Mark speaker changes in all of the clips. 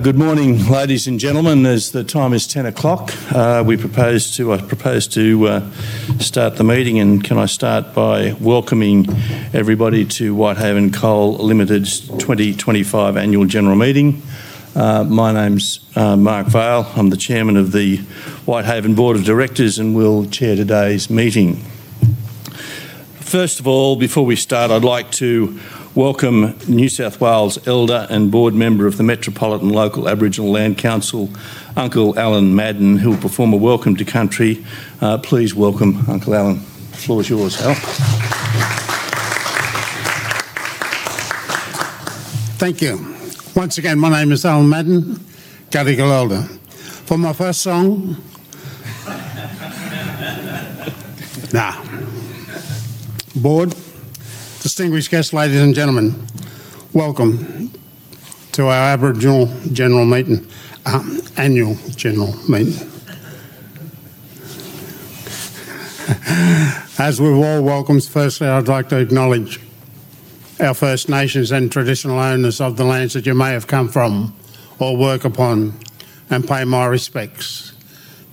Speaker 1: Good morning, ladies and gentlemen. As the time is 10:00 A.M., we propose topropose to start the meeting. Can I start by welcoming everybody to Whitehaven Coal Limited's 2025 Annual General Meeting. My name's Mark Vaile. I'm the Chairman of the Whitehaven Board.of Directors and will chair today's meeting. First of all, before we start, I'd like to welcome New South Wales elder and board member of the Metropolitan Local Aboriginal Land Council, Uncle Alan Madden, who will perform a Welcome to Country. Please welcome Uncle Alan. The floor is yours, Alan.
Speaker 2: Thank you. Once again, my name is Alan Madden, Gadigal elder, for my first song. Now board, distinguished guests, ladies and gentlemen, welcome to our Annual General Meeting as we warm welcomes. Firstly, I'd like to acknowledge our First Nations and traditional owners of the lands that you may have come from or work upon, and pay my respects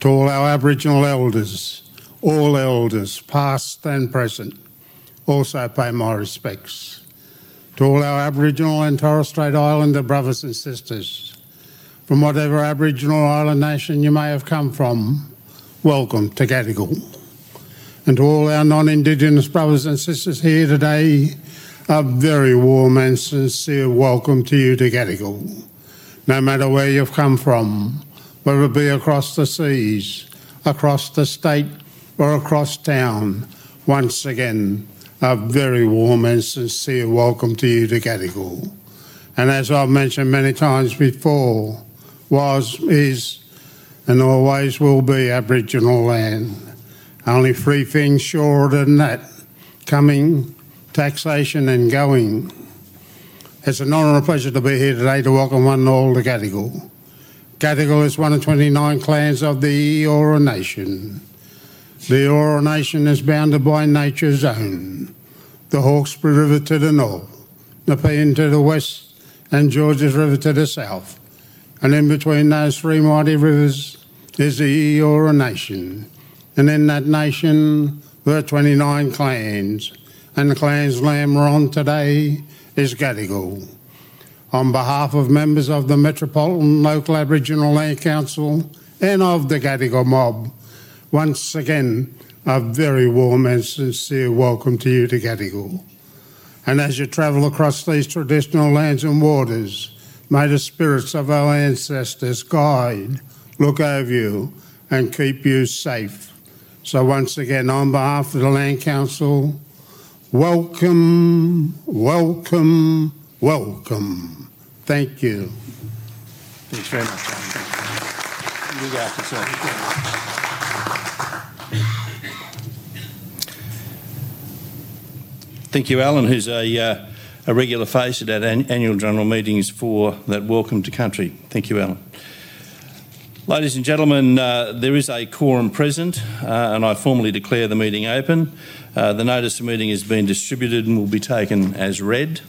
Speaker 2: to all our Aboriginal elders, all elders past and present. Also pay my respects to all our Aboriginal and Torres Strait Islander brothers and sisters from whatever Aboriginal island nation you may have come from, welcome to Gadigal. To all our non-Indigenous brothers and sisters here today, a very warm and sincere welcome to you to Gadigal. No matter where you've come from, whether it be across the seas, across the state, or across town, once again, a very warm and sincere welcome to you to Gadigal. As I've mentioned many times before, was, is, and always will be Aboriginal land. Only three things surer than that: coming, taxation, and going. It's an honor and a pleasure to be here today to welcome one and all to Gadigal. Gadigal is one of 29 clans of the Eora Nation. The Eora Nation is bounded by nature's own, the Hawkesbury River to the north, Nepean to the west, and Georges River to the south. In between those three mighty rivers is the Eora Nation. In that nation were 29 clans, and the clan's land we're on today is Gadigal. On behalf of members of the Metropolitan Local Aboriginal Land Council and of the Gadigal mob, once again, a very warm and sincere welcome to you to Gadigal. As you travel across these traditional lands and waters, may the spirits of our ancestors guide, look over you, and keep you safe. Once again, on behalf of the Land Council, welcome, welcome, welcome! Thank you.
Speaker 1: Thank you, Alan, who's a regular face at Annual General Meetings for that Welcome to Country. Thank you, Alan. Ladies and gentlemen, there is a quorum present and I formally declare the meeting open. The notice of the meeting has been distributed and will be taken as read.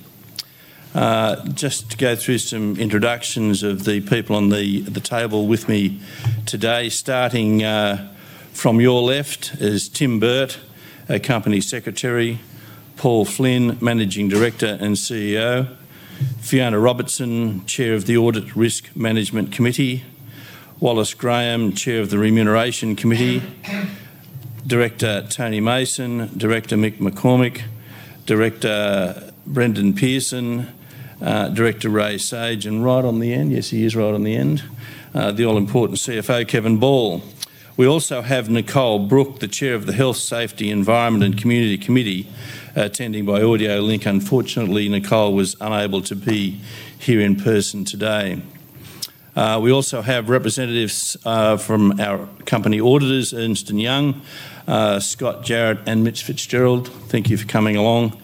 Speaker 1: Just to go through some introductions of the people on the table with me today, starting from your left, is Tim Burt, our Company Secretary, Paul Flynn, Managing Director and CEO, Fiona Robertson, Chair of the Audit and Risk Management Committee, Wallis Graham, Chair of the Remuneration Committee, Director Tony Mason, Director Mick McCormack, Director Brendan Pearson, Director Ray Sage. He is right on the end. Yes, he is right on the end. The all important CFO, Kevin Ball. We also have Nicole Brook, the Chair of the Health, Safety, Environment and Community Committee, attending by audio link. Unfortunately, Nicole was unable to be here in person today. We also have representatives from our company auditors, Ernst & Young, Scott Jarrett and Mitch Fitzgerald. Thank you for coming along.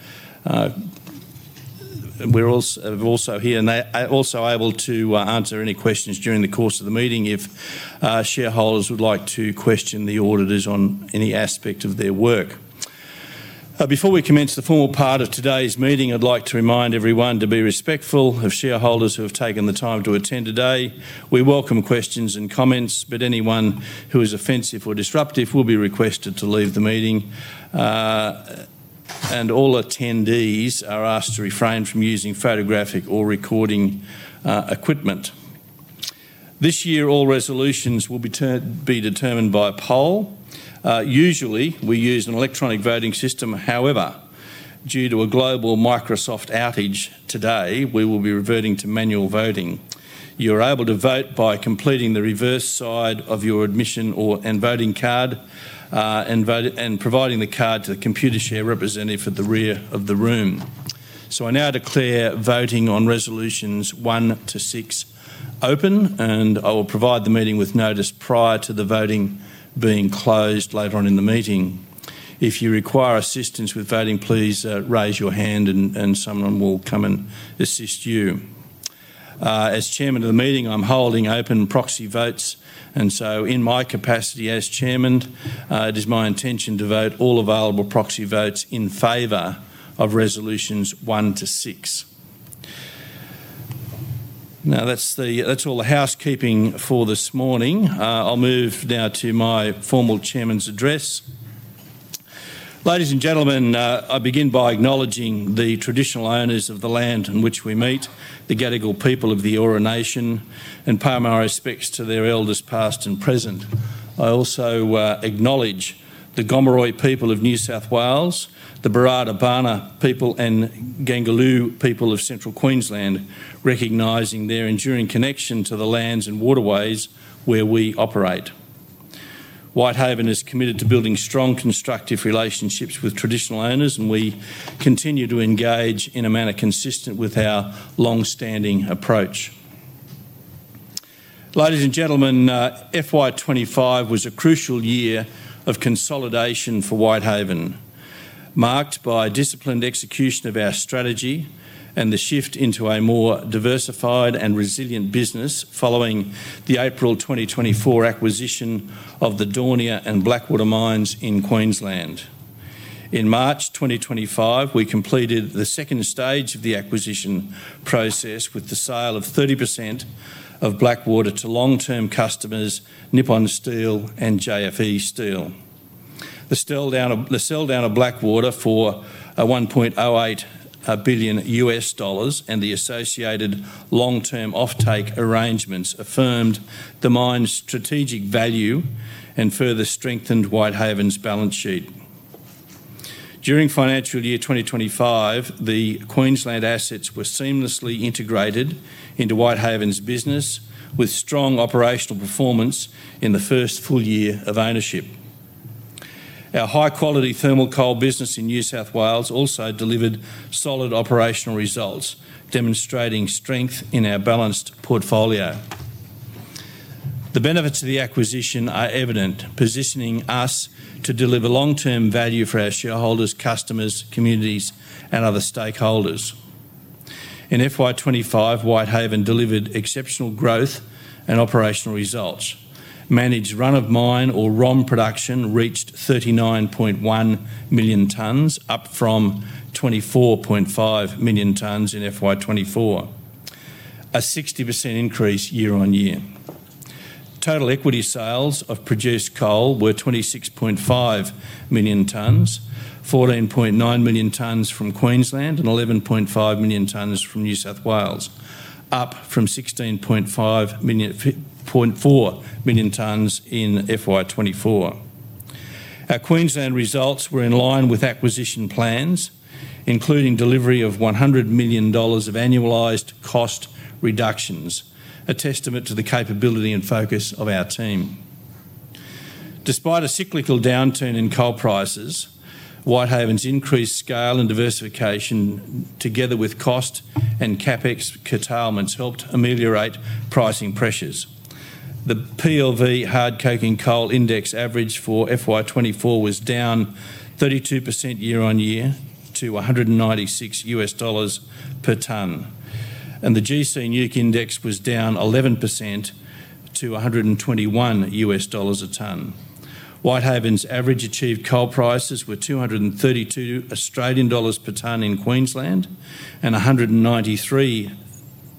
Speaker 1: We're also here and also able to answer any questions during the course of the meeting. If shareholders would like to question the auditors on any aspect of their work. Before we commence the formal part of today's meeting, I'd like to remind everyone to be respectful of shareholders who have taken the time to attend today. We welcome questions and comments, but anyone who is offensive or disruptive will be requested to leave the meeting. All attendees are asked to refrain from using photographic or recording equipment this year. All resolutions will be determined by poll. Usually we use an electronic voting system. However, due to a global Microsoft outage, today we will be reverting to manual voting. You are able to vote by completing the reverse side of your admission and voting card and providing the card to the Computershare representative at the rear of the room. I now declare voting on resolutions one to six open, and I will provide the meeting with notice prior to the voting being closed later on in the meeting. If you require assistance with voting, please raise your hand and someone will come and assist you. As Chairman of the meeting, I'm holding open proxy votes. In my capacity as Chairman, it is my intention to vote all available proxy votes in favor of resolutions one to six. That's all the housekeeping for this morning. I'll move now to my formal Chairman's address. Ladies and gentlemen, I begin by acknowledging the traditional owners of the land in which we meet, the Gadigal people of the Eora Nation, and pay my respects to their elders, past and present. I also acknowledge the Gomeroi people of New South Wales, the Barada Barna people and Gangulu people of Central Queensland, recognizing their enduring connection to the lands and waterways where we operate. Whitehaven is committed to building strong, constructive relationships with traditional owners, and we continue to engage in a manner consistent with our long standing approach. Ladies and gentlemen, FY 2025 was a crucial year of consolidation for Whitehaven marked by disciplined execution of our strategy and the shift into a more diversified and resilient business following the April 2024 acquisition of the Daunia and Blackwater mines in Queensland. In March 2025, we completed the second stage of the acquisition process with the sale of Blackwater to long term customers, Nippon Steel and JFE Steel. The sell down of Blackwater for $1.08 billion and the associated long term offtake arrangements affirmed the mine's strategic value and further strengthened Whitehaven's balance sheet. During financial year 2025, the Queensland assets were seamlessly integrated into Whitehaven's business with strong operational performance in the first full year of ownership. Our high quality thermal coal business in New South Wales also delivered solid operational results, demonstrating strength in our balanced portfolio. The benefits of the acquisition are evident, positioning us to deliver long term value for our shareholders, customers, communities, and other stakeholders. In FY 2025, Whitehaven delivered exceptional growth and operational results. Managed run-of-mine or ROM production reached 39.1 million tonnes, up from 24.5 million tonnes in FY 2024, a 60% increase year-on-year. Total equity sales of produced coal were 26.5 million tonnes, 14.9 million tonnes from Queensland and 11.5 million tonnes from New South Wales, up from 16.4 million tonnes in FY 2024. Our Queensland results were in line with acquisition plans, including delivery of $100 million of annualized cost reductions, a testament to the capability and focus of our team. Despite a cyclical downturn in coal prices, Whitehaven's increased scale and diversification together with cost and CapEx curtailments helped ameliorate pricing pressures. The PLV hard coking coal index average for FY 2024 was down 32% year-on-year to $196 per tonne, and the gC NEWC index was down 11% to $121 a tonne. Whitehaven's average achieved coal prices were 232 Australian dollars per tonne in Queensland and 193 dollars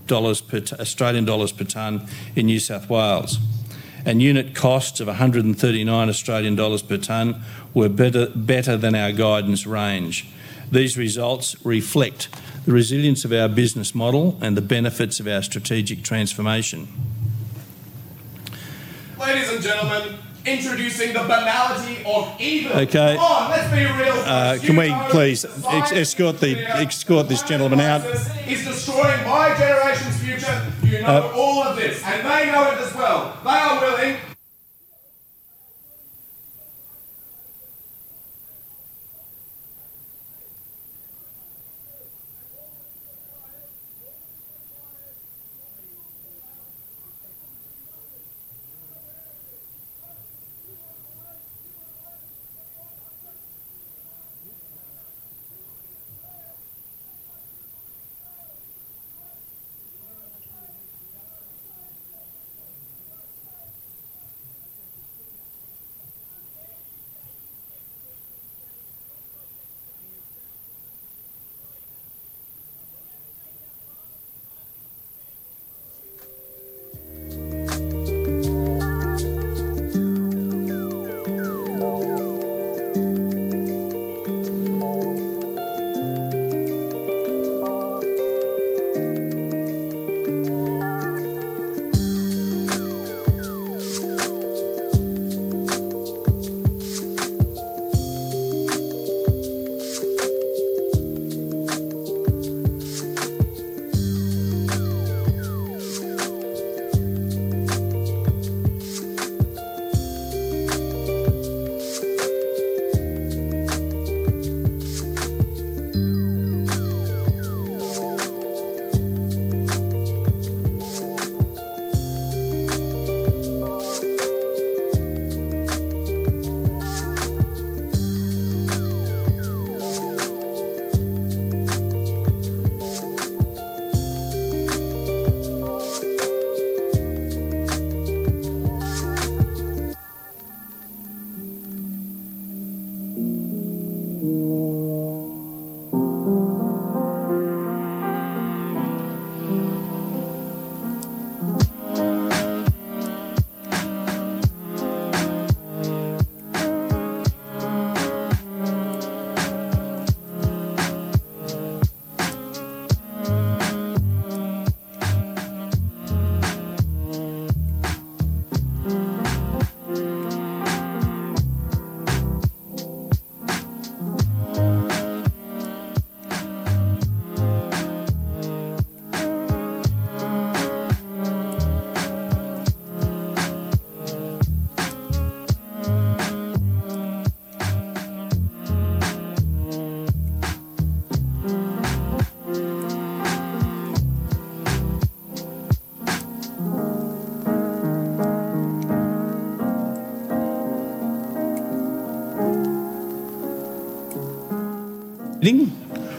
Speaker 1: per tonne in New South Wales, and unit costs of 139 Australian dollars per tonne were better than our guidance range. These results reflect the resilience of our business model and the benefits of our strategic transformation.
Speaker 3: Ladies and gentlemen. Introducing the banality of evil.
Speaker 1: Okay,
Speaker 3: Let's be real.
Speaker 1: Can we please escort this gentleman out?
Speaker 3: He is destroying my generation's future. You know all of this. Know it as well. They are willing.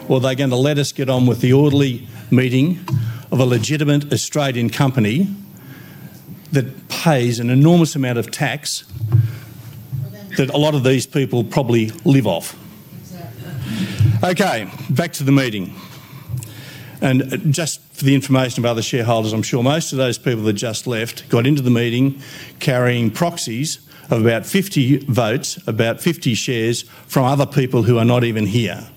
Speaker 1: They're going to let us get on with the orderly meeting of a legitimate Australian company that pays an enormous amount of tax that a lot of these people probably live off. Ok, back to the meeting. For the information of other shareholders, I'm sure most of those people that just left got into the meeting carrying proxies of about 50 votes, about 50 shares from other people who are not even here.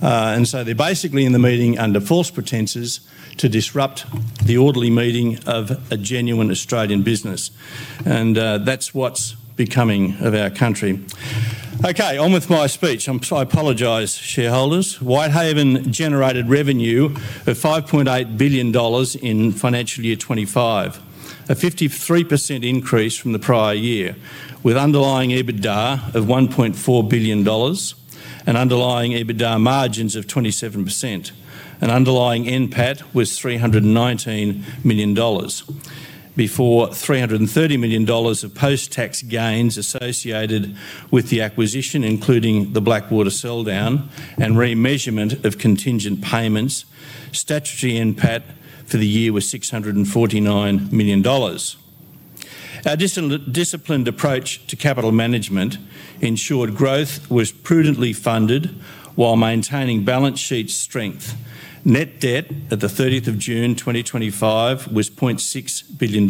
Speaker 1: They're basically in the meeting under false pretenses to disrupt the orderly meeting of a genuine Australian business. That's what's becoming of our country. Okay, on with my speech. I apologize shareholders. Whitehaven generated revenue of $5.8 billion in financial year 2025, a 53% increase from the prior year with underlying EBITDA of $1.4 billion and underlying EBITDA margins of 27%. An underlying NPAT was $319 million before $330 million of post-tax gains associated with the acquisition, including the Blackwater sell down and re-measurement of contingent payments. Statutory NPAT for the year was $649 million. Our disciplined approach to capital management ensured growth was prudently funded while maintaining balance sheet strength. Net debt at 30 June 2025 was $0.6 billion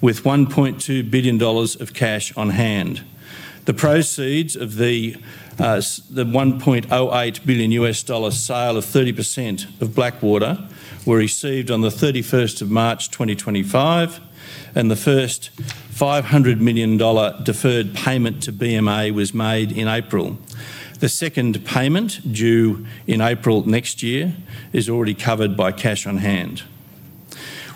Speaker 1: with $1.2 billion of cash on hand. The proceeds of the $1.08 billion USD sale of 30% of Blackwater were received on 31st March 2025 and the first $500 million deferred payment to BMA was made in April. The second payment, due in April next year, is already covered by cash on hand.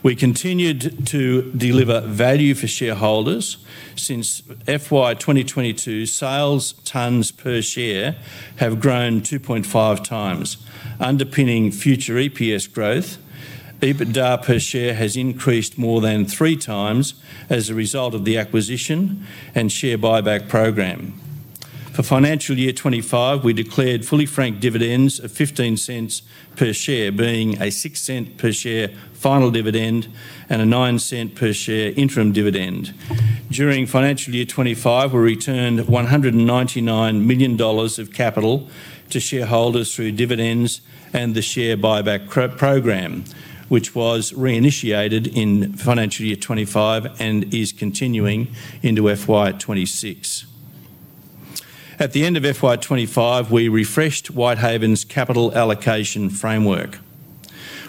Speaker 1: We continued to deliver value for shareholders. Since FY 2022, sales tonnes per share have grown 2.5x underpinning future EPS growth. EBITDA per share has increased more than 3x as a result of the acquisition and share buyback program. For financial year 2025, we declared fully franked dividends of $0.15 per share, being a $0.06 per share final dividend and a $0.09 per share interim dividend. During financial year 2025, we returned $199 million of capital to shareholders through dividends and the share buyback program, which was reinitiated in financial year 2025 and is continuing into FY 2026. At the end of FY 2025, we refreshed Whitehaven's capital allocation framework.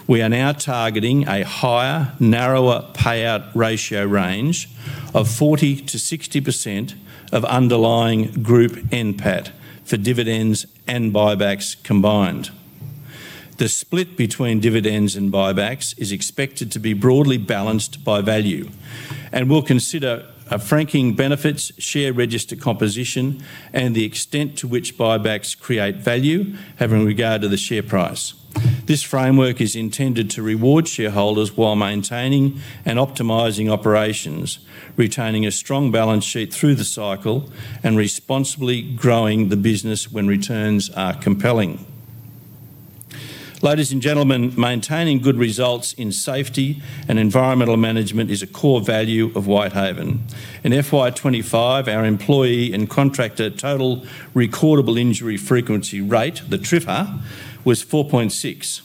Speaker 1: We are now targeting a higher, narrower payout ratio range of 40% to 60% underlying group NPAT for dividends and buybacks combined. The split between dividends and buybacks is expected to be broadly balanced by value and we'll consider franking benefits, share register composition, and the extent to which buybacks create value having regard to the share price. This framework is intended to reward shareholders while maintaining and optimizing operations, retaining a strong balance sheet through the cycle, and responsibly growing the business when returns are compelling. Ladies and gentlemen, maintaining good results in safety and environmental management is a core value of Whitehaven in FY 2025. Our employee and contractor total recordable injury frequency rate, the TRIFR, was 4.6,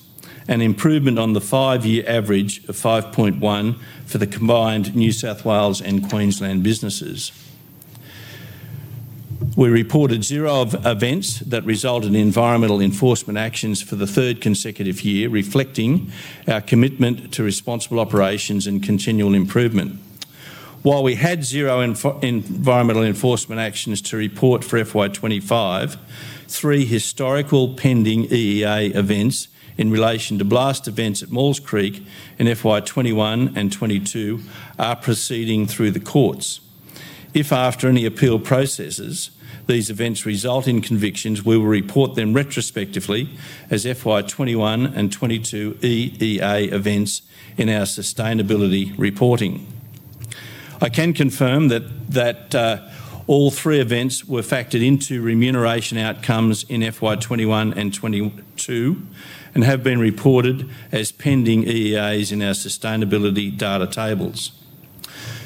Speaker 1: an improvement on the five-year average of 5.1 for the combined New South Wales and Queensland businesses. We reported zero events that resulted in environmental enforcement actions for the third consecutive year, reflecting our commitment to responsible operations and continual improvement. While we had zero environmental enforcement actions to report for FY 2025, three historical pending EEA events in relation to blast events at Maules Creek in FY 2021 and FY 2022 are proceeding through the courts. If after any appeal processes these events result in convictions, we will report them retrospectively as FY 2021 and FY 2022 EEA events in our sustainability reporting. I can confirm that all three events were factored into remuneration outcomes in FY 2021 and FY 2022 and have been reported as pending EEAs in our sustainability data tables.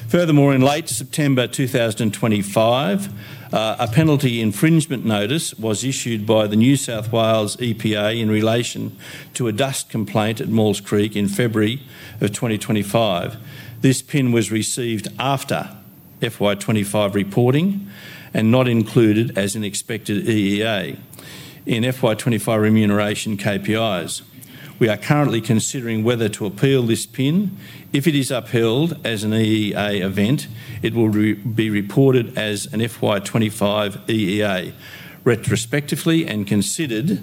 Speaker 1: Furthermore, in late September 2025, a penalty infringement notice was issued by the New South Wales EPA in relation to a dust complaint at Maules Creek in February of 2025. This PIN was received after FY 2025 reporting and not included as an expected EEA in FY 2025 remuneration KPIs. We are currently considering whether to appeal this PIN. If it is upheld as an EEA event, it will be reported as an FY 2025 EEA retrospectively and considered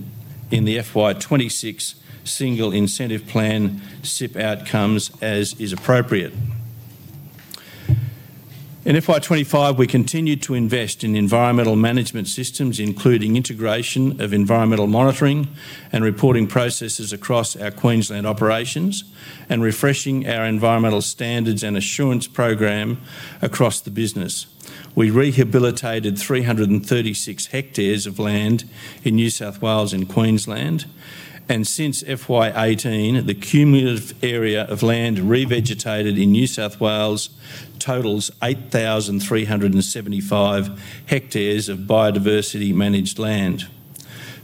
Speaker 1: in the FY 2026 Single Incentive Plan SIP outcomes as is appropriate. In FY 2025, we continue to invest in environmental management systems, including integration of environmental monitoring and reporting processes across our Queensland operations and refreshing our environmental standards and assurance program across the business. We rehabilitated 336 hectares of land in New South Wales and Queensland, and since FY 2018 the cumulative area of land revegetated in New South Wales totals 8,375 hectares of biodiversity managed land,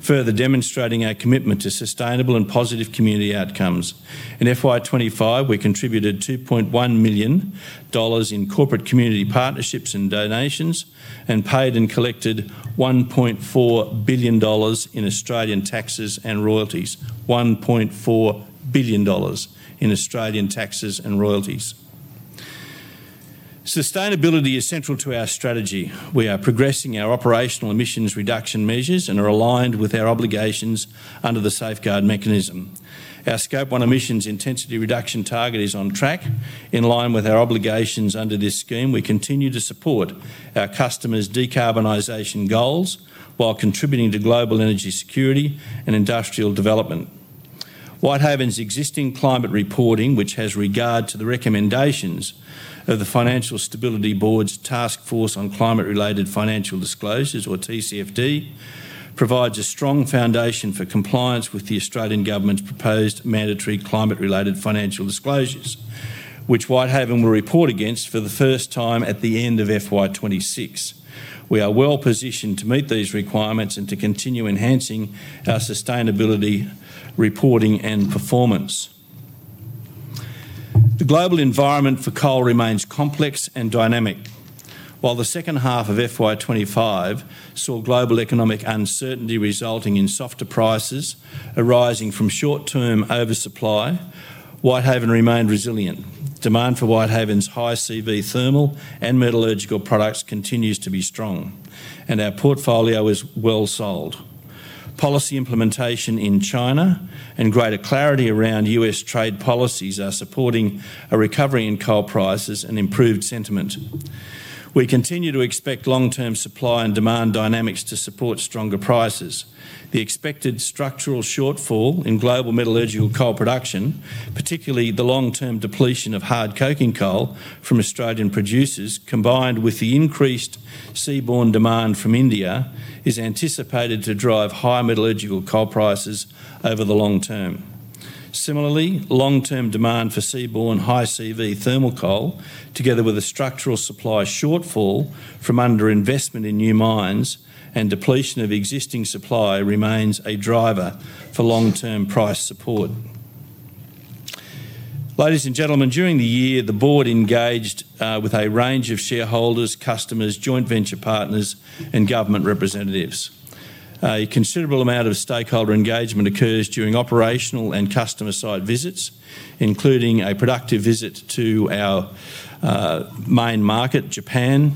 Speaker 1: further demonstrating our commitment to sustainable and positive community outcomes. In FY 2025, we contributed $2.1 million in corporate community partnerships and donations and paid and collected $1.4 billion in Australian taxes and royalties. Sustainability is central to our strategy. We are progressing our operational emissions reduction measures and are aligned with our obligations under the Safeguard Mechanism. Our Scope 1 emissions intensity reduction target is on track. In line with our obligations under this scheme, we continue to support our customers' decarbonization goals while contributing to global energy security and industrial development. Whitehaven's existing climate reporting, which has regard to the recommendations of the Financial Stability Board's Task Force on Climate-Related Financial Disclosures, or TCFD, provides a strong foundation for compliance with the Australian Government's proposed mandatory climate-related financial disclosures, which Whitehaven will report against for the first time at the end of FY 2026. We are well positioned to meet these requirements and to continue enhancing our sustainability reporting and performance. The global environment for coal remains complex and dynamic. While the second half of FY 2025 saw global economic uncertainty resulting in softer prices arising from short-term oversupply, Whitehaven remained resilient. Demand for Whitehaven's high CV thermal and metallurgical products continues to be strong and our portfolio is well sold. Policy implementation in China and greater clarity around U.S. trade policies are supporting a recovery in coal prices and improved sentiment. We continue to expect long-term supply and demand dynamics to support stronger prices. The expected structural shortfall in global metallurgical coal production, particularly the long-term depletion of hard coking coal from Australian producers combined with the increased seaborne demand from India, is anticipated to drive higher metallurgical coal prices over the long term. Similarly, long-term demand for seaborne high CV thermal coal, together with a structural supply shortfall from underinvestment in new mines and depletion of existing supply, remains a driver for long-term price support. Ladies and gentlemen, during the year the Board engaged with a range of shareholders, customers, joint venture partners, and government representatives. A considerable amount of stakeholder engagement occurs during operational and customer site visits, including a productive visit to our main market Japan,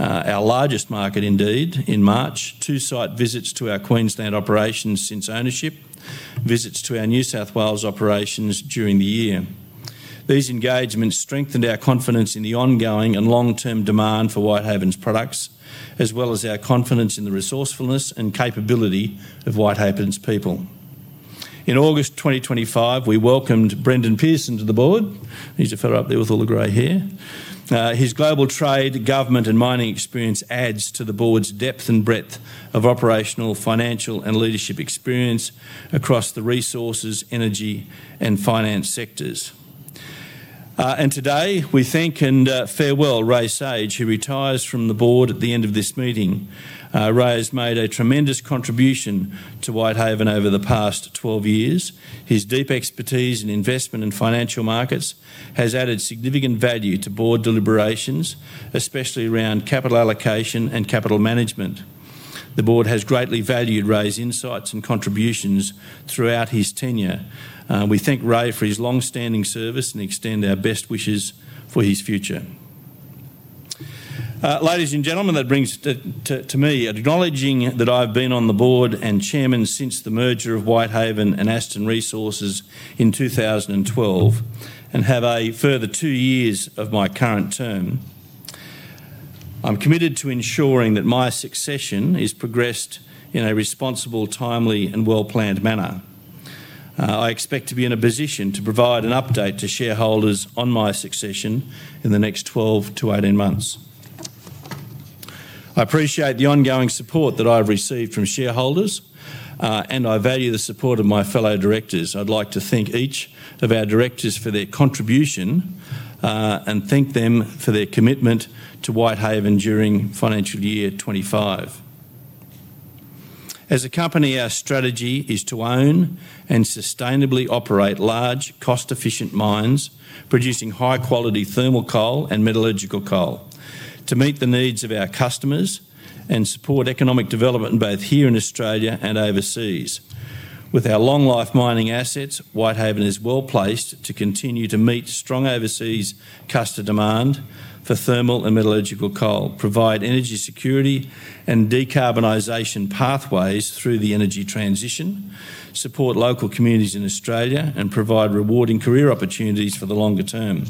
Speaker 1: our largest market indeed, in March, two site visits to our Queensland operations since ownership, and visits to our New South Wales operations during the year. These engagements strengthened our confidence in the ongoing and long-term demand for Whitehaven's products as well as our confidence in the resourcefulness and capability of Whitehaven's people. In August 2025 we welcomed Brendan Pearson to the Board. He's a fellow up there with all the grey hair. His global trade, government, and mining experience adds to the Board's depth and breadth of operational, financial, and leadership experience across the resources, energy, and finance sectors. Today we thank and farewell Ray Sage who retires from the Board at the end of this meeting. Ray has made a tremendous contribution to Whitehaven over the past 12 years. His deep expertise in investment and financial markets has added significant value to Board deliberations, especially around capital allocation and capital management. The Board has greatly valued Ray's insights and contributions throughout his tenure. We thank Ray for his long-standing service and extend our best wishes for his future. Ladies and gentlemen, that brings me to acknowledging that I've been on the Board and Chairman since the merger of Whitehaven and Aston Resources in 2012 and have a further two years of my current term. I am committed to ensuring that my succession is progressed in a responsible, timely, and well-planned manner. I expect to be in a position to provide an update to shareholders on my succession in the next 12 to 18 months. I appreciate the ongoing support that I have received from shareholders and I value the support of my fellow directors. I'd like to thank each of our directors for their contribution and thank them for their commitment to Whitehaven during financial year 2025. As a company, our strategy is to own and sustainably operate large, cost-efficient mines producing high-quality thermal coal and metallurgical coal to meet the needs of our customers and support economic development both here in Australia and overseas. With our long-life mining assets, Whitehaven is well placed to continue to meet strong overseas customer demand for thermal and metallurgical coal, provide energy security and decarbonisation pathways through the energy transition, support local communities in Australia, and provide rewarding career opportunities for the longer term.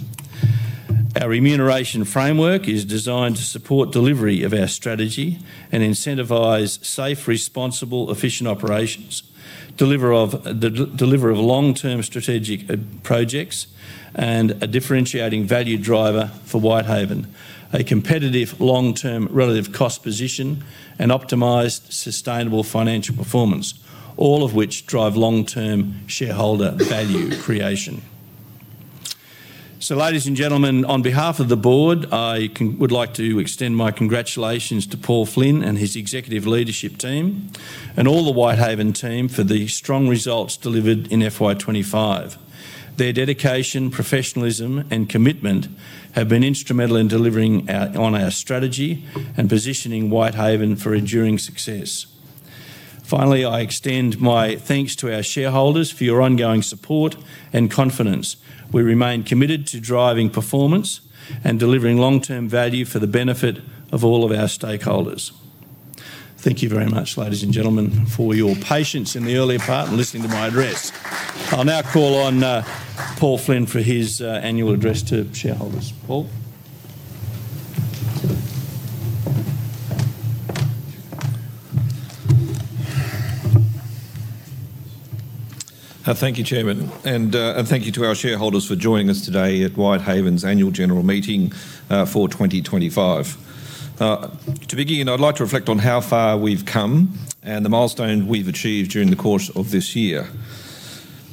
Speaker 1: Our remuneration framework is designed to support delivery of our strategy and incentivise safe, responsible, efficient operations, delivery of long-term strategic projects, and a differentiating value driver for Whitehaven, a competitive long-term relative cost position, and optimised sustainable financial performance, all of which drive long-term shareholder value creation. Ladies and gentlemen, on behalf of the Board I would like to extend my congratulations to Paul Flynn and his executive leadership team and all the Whitehaven team for the strong results delivered in FY 2025. Their dedication, professionalism, and commitment have been instrumental in delivering on our strategy and positioning Whitehaven for enduring success. Finally, I extend my thanks to our shareholders for your ongoing support and confidence. We remain committed to driving performance and delivering long term value for the benefit of all of our stakeholders. Thank you very much, ladies and gentlemen for your patience in the earlier part and listening to my address. I'll now call on Paul Flynn for his Annual Address to Shareholders, Paul.
Speaker 4: Thank you Chairman and thank you to our shareholders for joining us today at Whitehaven's annual general meeting for 2025. To begin, I'd like to reflect on how far we've come and the milestone we've achieved during the course of this year.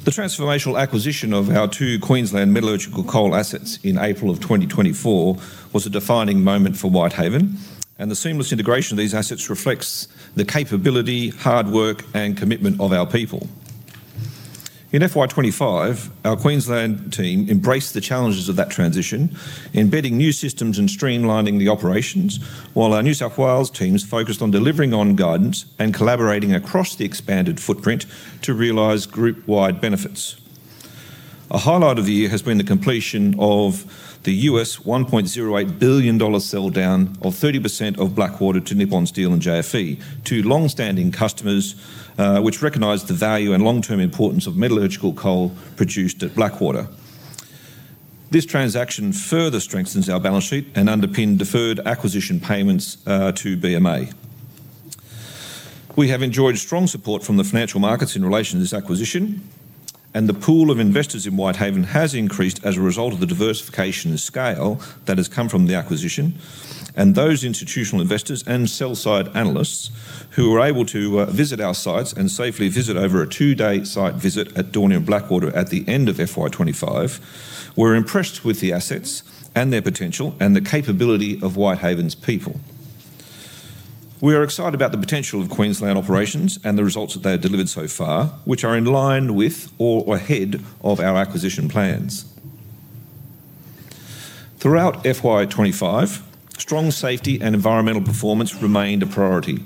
Speaker 4: The transformational acquisition of our two Queensland metallurgical coal assets in April of 2024 was a defining moment for Whitehaven and the seamless integration of these assets reflects the capability, hard work, and commitment of our people. In FY 2025, Our Queensland team embraced the challenges of that transition, embedding new systems and streamlining the operations while our New South Wales teams focused on delivering on guidance and collaborating across the expanded footprint to realize group wide benefits. A highlight of the year has been the completion of the $1.08 billion sell down of 30% of Blackwater to Nippon Steel and JFE to long standing customers which recognize the value and long term importance of metallurgical coal produced at Blackwater. This transaction further strengthens our balance sheet and underpinned deferred acquisition payments to BMA. We have enjoyed strong support from the financial markets in relation to this acquisition and the pool of investors in Whitehaven has increased as a result of the diversification scale that has come from the acquisition and those institutional investors and sell side analysts who were able to visit our sites and safely visit over a two day site visit at Daunia and Blackwater at the end of FY 2025 were impressed with the assets and their potential and the capability of Whitehaven's people. We are excited about the potential of Queensland operations and the results that they have delivered so far which are in line with or ahead of our acquisition plans. Throughout FY 2025, strong safety and environmental performance remained a priority.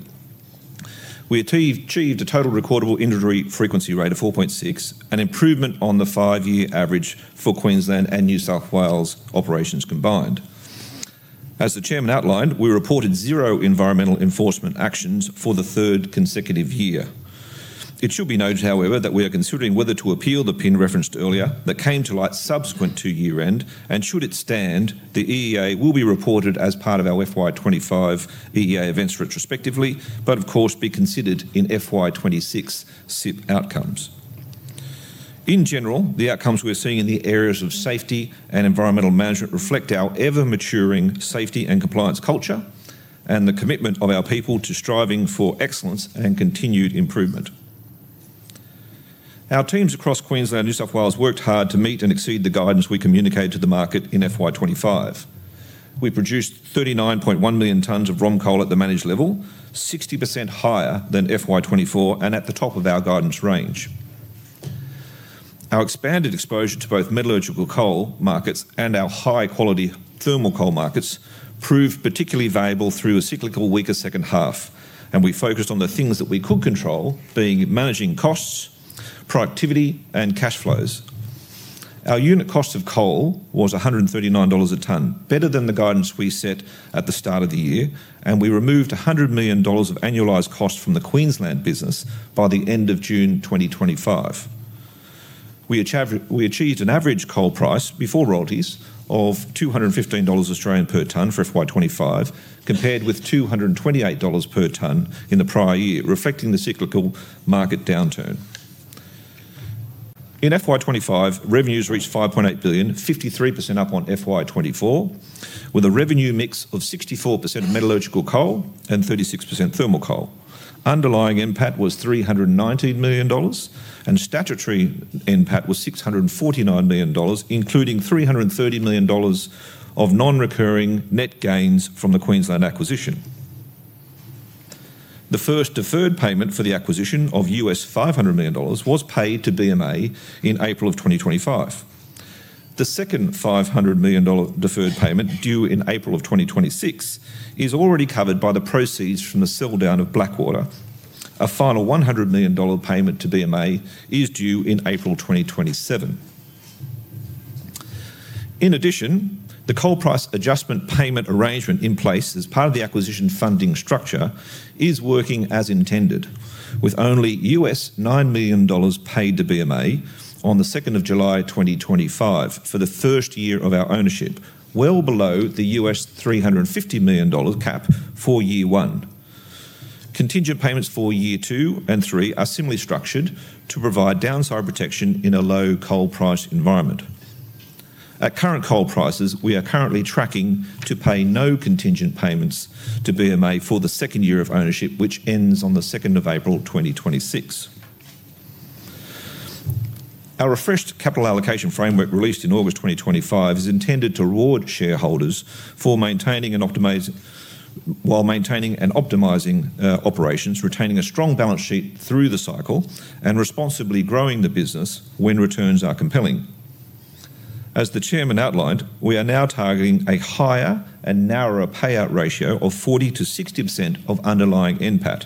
Speaker 4: We achieved a total recordable injury frequency rate of 4.6, an improvement on the five year average for Queensland and New South Wales operations combined. As the Chairman outlined, we reported zero environmental enforcement actions for the third consecutive year. It should be noted, however, that we are considering whether to appeal the PIN referenced earlier that came to light subsequent to year end and should it stand, the EEA will be reported as part of our FY 2025 EEA events retrospectively, but of course be considered in FY 2026 SIP outcomes. In general, the outcomes we are seeing in the areas of safety and environmental management reflect our ever-maturing safety and compliance culture, the commitment of our people to striving for excellence and continued improvement. Our teams across Queensland and New South Wales worked hard to meet and exceed the guidance we communicated to the market in FY 2025. We produced 39.1 million tonnes of ROM coal at the managed level, 60% higher than FY 2024 and at the top of our guidance range. Our expanded exposure to both metallurgical coal markets and our high-quality thermal coal markets proved particularly valuable through a cyclical weaker second half, and we focused on the things that we could control, being managing costs, productivity, and cash flows. Our unit cost of coal was $139 a tonne, better than the guidance we set at the start of the year, and we removed $100 million of annualized cost from the Queensland business by the end of June 2025. We achieved an average coal price before royalties of 215 Australian dollars per tonne for FY 2025 compared with 228 dollars per tonne in the prior year, reflecting the cyclical market downturn. In FY 2025, revenues reached $5.8 billion, 53% up on FY 2024, with a revenue mix of 64% metallurgical coal and 36% thermal coal. Underlying NPAT was $319 million, and statutory NPAT was $649 million, including $330 million of non-recurring net gains from the Queensland acquisition. The first deferred payment for the acquisition of $500 million was paid to BMA in April 2025. The second $500 million deferred payment due in April 2026 is already covered by the proceeds from the sell-down of Blackwater. A final $100 million payment to BMA is due in April 2027. In addition, the Coal Price Adjustment payment arrangement in place as part of the acquisition funding structure is working as intended, with only $9 million paid to BMA on July 2, 2025, for the first year of our ownership, well below the $350 million cap for year one. Contingent payments for year two and three are similarly structured to provide downside protection in a low coal price environment at current coal prices. We are currently tracking to pay no contingent payments to BMA for the second year of ownership, which ends on 2nd of April 2026. Our refreshed capital allocation framework released in August 2025 is intended to reward shareholders for maintaining and optimizing operations, retaining a strong balance sheet through the cycle, and responsibly growing the business when returns are compelling. As the Chairman outlined, we are now targeting a higher and narrower payout ratio of 40%-60% of underlying NPAT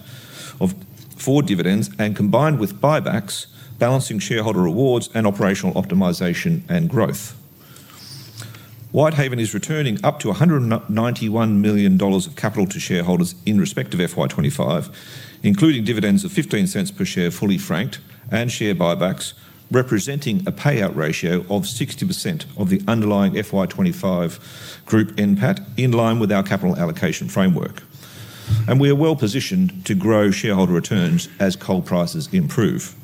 Speaker 4: for forward dividends, and combined with buybacks balancing shareholder rewards and operational optimization and growth, Whitehaven is returning up to $191 million of capital to shareholders in respect of FY 2025, including dividends of $0.15 per share, fully franked, and share buybacks representing a payout ratio of 60% of the underlying FY 2025 group NPAT in line with our capital allocation framework. We are well positioned to grow shareholder returns as coal prices improve.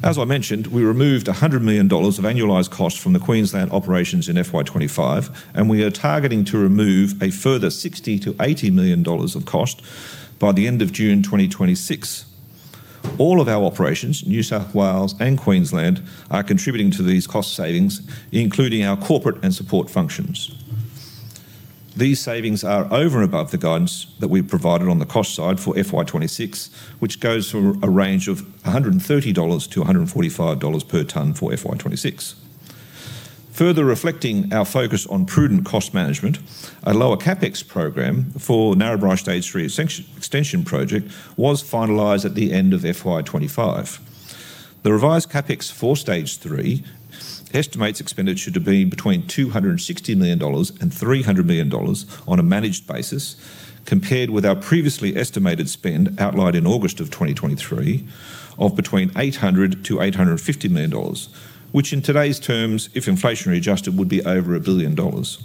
Speaker 4: As I mentioned, we removed $100 million of annualized costs from the Queensland operations in FY 2025, and we are targeting to remove a further $60 million-$80 million of cost by the end of June 2026. All of our operations, New South Wales and Queensland, are contributing to these cost savings, including our corporate and support functions. These savings are over and above the guidance that we provided on the cost side for FY 2026, which goes for a range of $130 per tonne-$145 per tonne for FY 2026. Further reflecting our focus on prudent cost management, a lower CapEx program for Narrabri stage three extension project was finalized at the end of FY 2025. The revised CapEx for stage three estimates expenditure to be between $260 million and $300 million on a managed basis compared with our previously estimated spend outlined in August 2023 of between $800 million-$850 million, which in today's terms, if inflationary adjusted, would be over a billion dollars.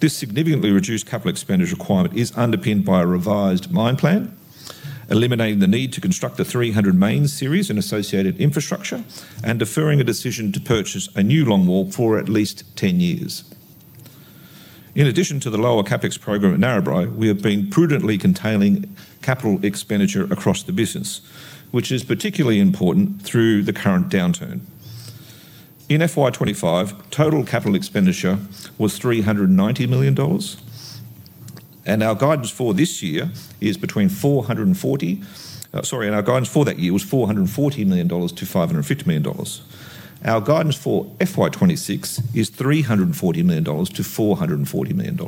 Speaker 4: This significantly reduced capital expenditure requirement is underpinned by a revised mine plan, eliminating the need to construct the 300 main series and associated infrastructure and deferring a decision to purchase a new longwall for at least 10 years. In addition to the lower CapEx program at Narrabri, we have been prudently containing capital expenditure across the business, which is particularly important through the current downturn. In FY 2025, total capital expenditure was $390 million, and our guidance for that year was $440 million-$550 million. Our guidance for FY 2026 is $340 million-$440 million.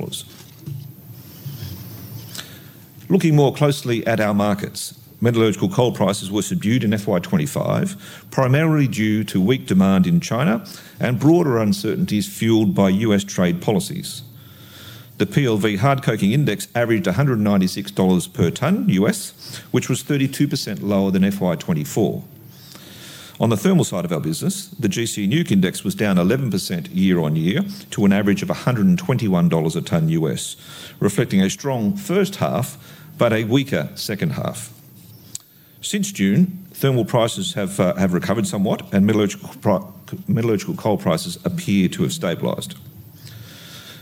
Speaker 4: Looking more closely at our markets, metallurgical coal prices were subdued in FY 2025 primarily due to weak demand in China and broader uncertainties fueled by U.S. trade policies. The PLV Hard Coking Index averaged $196 per tonne, which was 32% lower than FY 2024. On the thermal side of our business, the gC NEWC Index was down 11% year-on-year to an average of $121 a tonne, reflecting a strong first half but a weaker second half. Since June, thermal prices have recovered somewhat and metallurgical coal prices appear to have stabilized.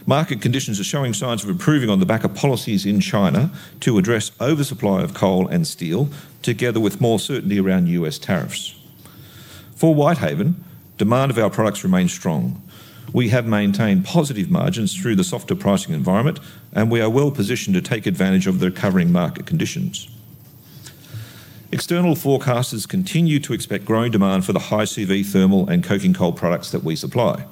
Speaker 4: Market conditions are showing signs of improving on the back of policies in China to address oversupply of coal and steel, together with more certainty around U.S. tariffs. For Whitehaven, demand of our products remains strong. We have maintained positive margins through the softer pricing environment, and we are well positioned to take advantage of the recovering market conditions. External forecasters continue to expect growing demand for the high CV thermal and coking coal products that we supply.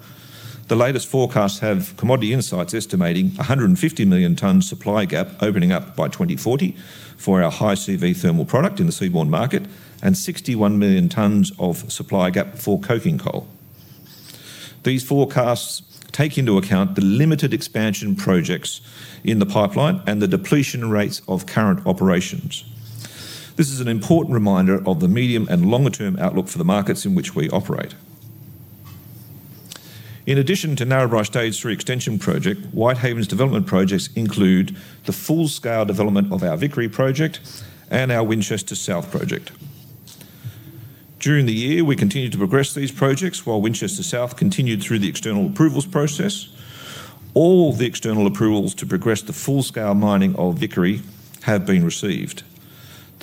Speaker 4: The latest forecasts have Commodity Insights estimating a 150 million tonnes supply gap opening up by 2040 for our high CV thermal product in the seaborne market and 61 million tonnes of supply gap for coking coal. These forecasts take into account the limited expansion projects in the pipeline and the depletion rates of current operations. This is an important reminder of the medium and longer term outlook for the markets in which we operate. In addition to Narrabri Stage 3 extension project, Whitehaven's development projects include the full scale development of our Vickery project and our Winchester South project. During the year, we continued to progress these projects while Winchester South continued through the external approvals process. All the external approvals to progress the full scale mining of Vickery have been received.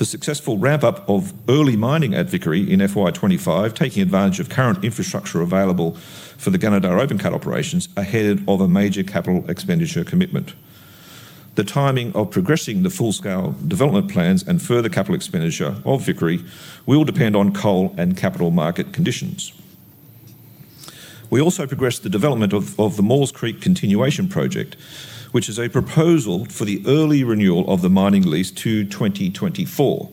Speaker 4: The successful ramp up of early mining at Vickery in FY 2025 is taking advantage of current infrastructure available for the Gunnedah Open Cut operations ahead of a major capital expenditure commitment. The timing of progressing the full scale development plans and further capital expenditure of Vickery will depend on coal and capital market conditions. We also progressed the development of the Maules Creek Continuation project, which is a proposal for the early renewal of the mining lease to 2044,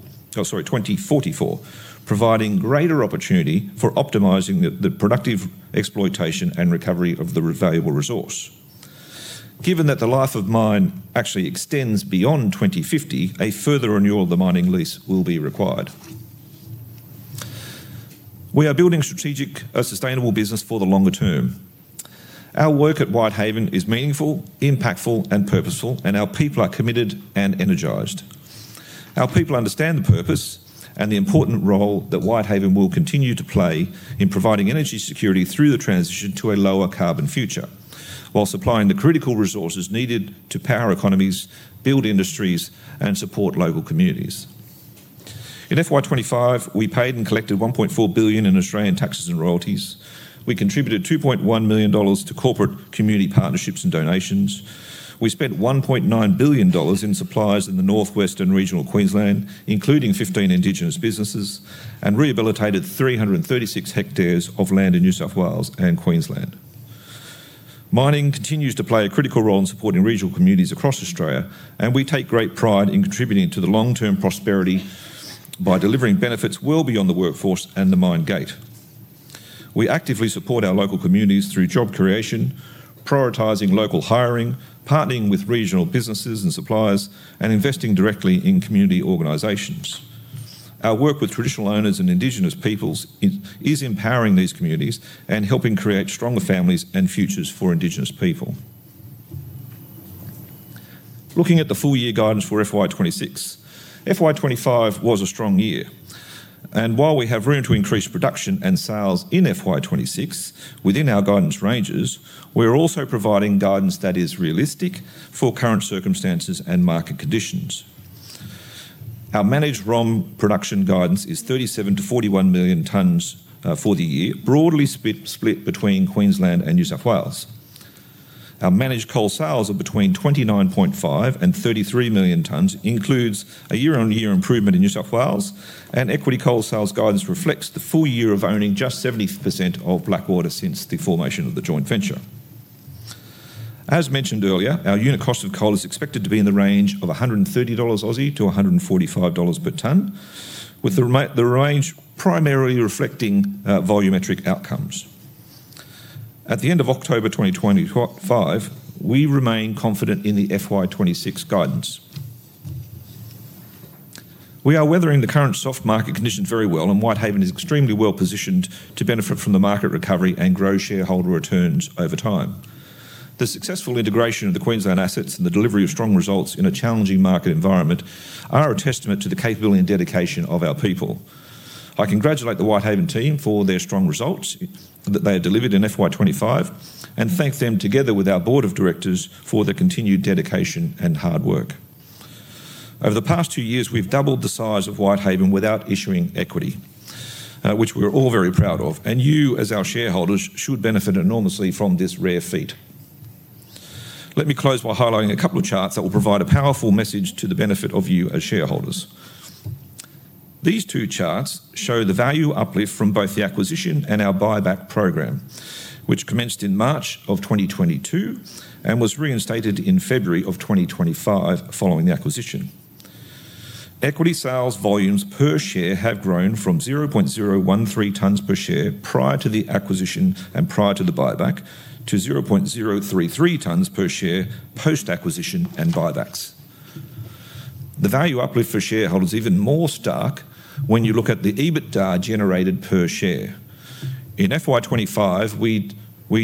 Speaker 4: providing greater opportunity for optimizing the productive exploitation and recovery of the valuable resource. Given that the life of mine actually extends beyond 2050, a further renewal of the mining lease will be required. We are building a strategic, sustainable business for the longer term. Our work at Whitehaven is meaningful, impactful, and purposeful, and our people are committed and energized. Our people understand the purpose and the important role that Whitehaven will continue to play in providing energy security through the transition to a lower carbon future while supplying the critical resources needed to power economies, build industries, and support local communities. In FY 2025, we paid and collected $1.4 billion in Australian taxes and royalties. We contributed $2.1 million to corporate community partnerships and donations. We spent $1.9 billion in supplies in the northwestern regional Queensland, including 15 Indigenous businesses, and rehabilitated 336 hectares of land in New South Wales and Queensland. Mining continues to play a critical role in supporting regional communities across Australia, and we take great pride in contributing to the long-term prosperity by delivering benefits well beyond the workforce and the mine gate. We actively support our local communities through job creation, prioritizing local hiring, partnering with regional businesses and suppliers, and investing directly in community organizations. Our work with traditional owners and Indigenous people is empowering these communities and helping create stronger families and futures for Indigenous people. Looking at the full year guidance for FY 2026, FY 2025 was a strong year, and while we have room to increase production and sales in FY 2026 within our guidance ranges, we are also providing guidance that is realistic for current circumstances and market conditions. Our managed ROM production guidance is 37 million tonnes- 41 million tonnes for the year, broadly split between Queensland and New South Wales. Our managed coal sales of between 29.5 million tonnes and 33 million tonnes includes a year-on-year improvement in New South Wales, and equity coal sales guidance reflects the full year of owning just 70% of Blackwater since the formation of the joint venture. As mentioned earlier, our unit cost of coal is expected to be in the range of 130 Aussie dollars per tonne-AUD 145 per tonne, with the range primarily reflecting volumetric outcomes at the end of October 2025. We remain confident in the FY 2026 guidance. We are weathering the current soft market conditions very well, and Whitehaven is extremely well positioned to benefit from the market recovery and grow shareholder returns over time. The successful integration of the Queensland assets and the delivery of strong results in a challenging market environment are a testament to the capability and dedication of our people. I congratulate the Whitehaven team for their strong results that they have delivered in FY 2025 and thank them, together with our Board of Directors, for their continued dedication and hard work. Over the past two years, we've doubled the size of Whitehaven without issuing equity, which we're all very proud of, and you as our shareholders should benefit enormously from this rare feat. Let me close by highlighting a couple of charts that will provide a powerful message to the benefit of you as shareholders. These two charts show the value uplift from both the acquisition and our buyback program, which commenced in March of 2022 and was reinstated in February of 2025. Following the acquisition, equity sales volumes per share have grown from 0.013 tonnes per share prior to the acquisition and prior to the buyback to 0.033 tonnes per share post acquisition and buybacks. The value uplift for shareholders is even more stark when you look at the EBITDA generated per share. In FY 2025, we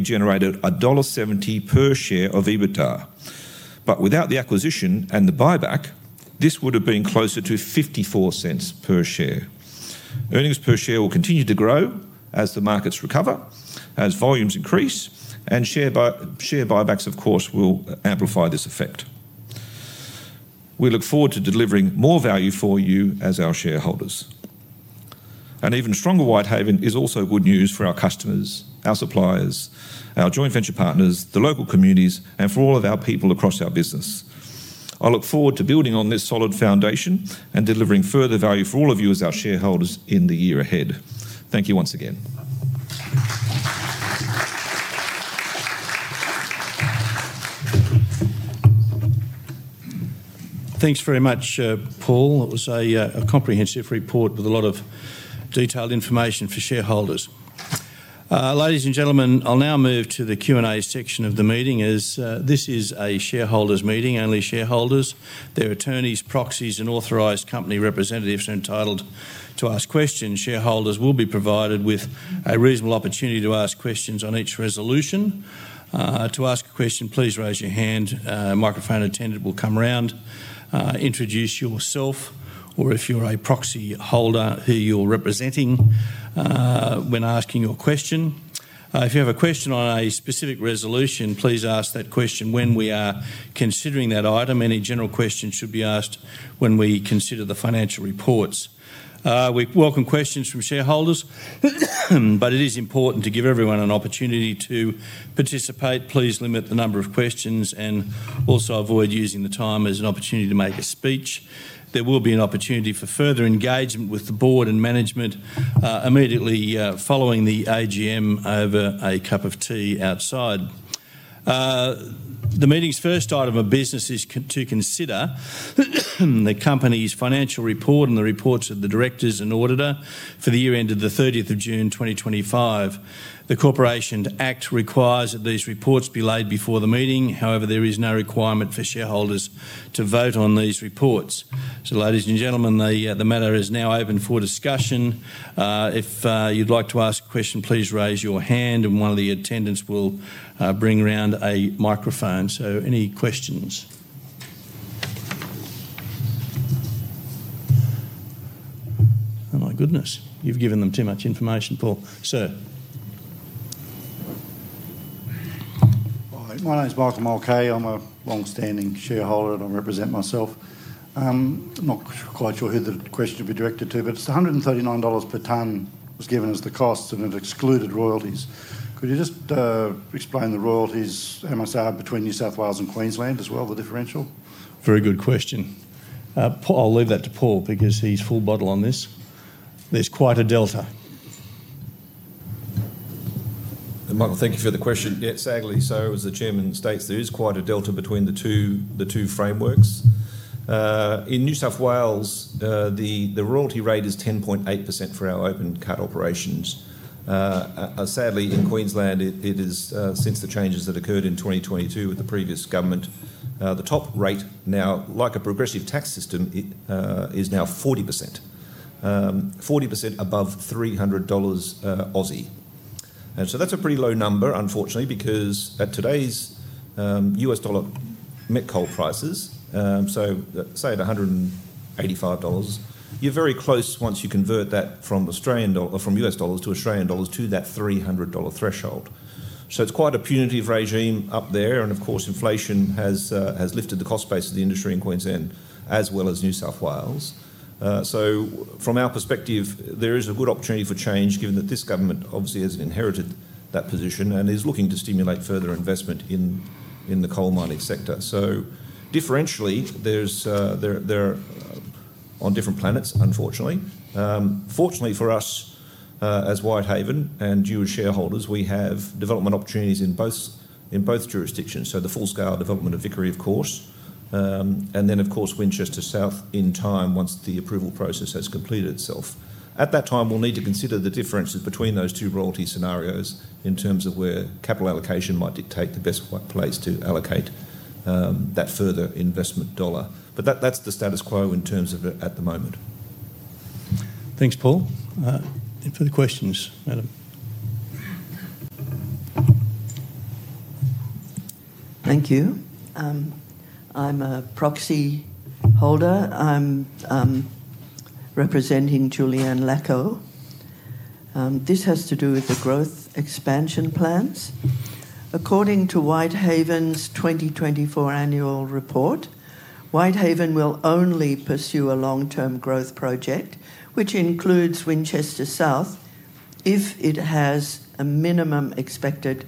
Speaker 4: generated $1.70 per share of EBITDA, but without the acquisition and the buyback, this would have been closer to $0.54 per share. Earnings per share will continue to grow as the markets recover, as volumes increase, and share buybacks, of course, will amplify this effect. We look forward to delivering more value for you as our shareholders. An even stronger Whitehaven is also good news for our customers, our suppliers, our joint venture partners, the local communities, and for all of our people across our business. I look forward to building on this solid foundation and delivering further value for all of you as our shareholders in the year ahead. Thank you once again.
Speaker 1: Thanks very much, Paul. It was a comprehensive report with a lot of detailed information for shareholders. Ladies and gentlemen, I'll now move to the Q&A section of the meeting. As this is a shareholders meeting, only shareholders, their attorneys, proxies, and authorized company representatives are entitled to ask questions. Shareholders will be provided with a reasonable opportunity to ask questions on each resolution. To ask a question, please raise your hand. A microphone attendant will come around. Introduce yourself or, if you're a proxy holder, who you're representing. If you have a question on a specific resolution, please ask that question when we are considering that item. Any general questions should be asked when we consider the financial reports. We welcome questions from shareholders, but it is important to give everyone an opportunity to participate. Please limit the number of questions and also avoid using the time as an opportunity to make a speech. There will be an opportunity for further engagement with the board and management immediately following the AGM over a cup of tea outside. The meeting's first item of business is to consider the company's financial report and the reports of the directors and auditor for the year ended 30th of June 2025. The Corporations Act requires that these reports be laid before the meeting. However, there is no requirement for shareholders to vote on these reports. The matter is now open for discussion. If you'd like to ask a question, please raise your hand and one of the attendants will bring around a microphone. Any questions? Oh my goodness, you've given them too much information, Paul. Sir.
Speaker 5: My name is [Michael McCay]. I'm a long standing shareholder and I represent myself. I'm not quite sure who the question is for. Would be directed to, but it's $139 per tonne was given as the cost, and it excluded royalties. Could you just explain the royalties? How much are between New South Wales, Queensland as well, the differential?
Speaker 1: Very good question. I'll leave that to Paul because he's full bottle on this. There's quite a delta.
Speaker 4: Michael, thank you for the question. Yes, sadly. As the Chairman states, there is quite a delta between the two frameworks. In New South Wales, the royalty rate is 10.8% for our open cut operations. Sadly, in Queensland it is, since the changes that occurred in 2022 with the previous government, the top rate now, like a progressive tax system, is now 40% above 300 Aussie dollars. That's a pretty low number unfortunately because at today's U.S. dollar met coal prices, say at $185, you're very close once you convert that from U.S. dollars to Australian dollars to that $300 threshold. It's quite a punitive regime up there. Of course, inflation has lifted the cost base of the industry in Queensland as well as New South Wales. From our perspective, there is a good opportunity for change given that this government obviously has inherited that position and is looking to stimulate further investment in the coal mining sector. Differentially, they're on different planets, unfortunately. Fortunately for us as Whitehaven and [due] shareholders, we have development opportunities in both jurisdictions. The full scale development of Vickery, of course, and then Winchester South in time, once the approval process has completed itself. At that time, we'll need to consider the differences between those two royalty scenarios in terms of where capital allocation might dictate the best place to allocate that further investment dollar. That's the status quo in terms of it at the moment.
Speaker 1: Thanks, Paul, for the questions. Madam.
Speaker 6: Thank you. I'm a proxy holder. I'm representing Julianne Lacaux. This has to do with the growth expansion plans. According to Whitehaven's 2024 annual report, Whitehaven will only pursue a long term growth project which includes Winchester South if it has a minimum expected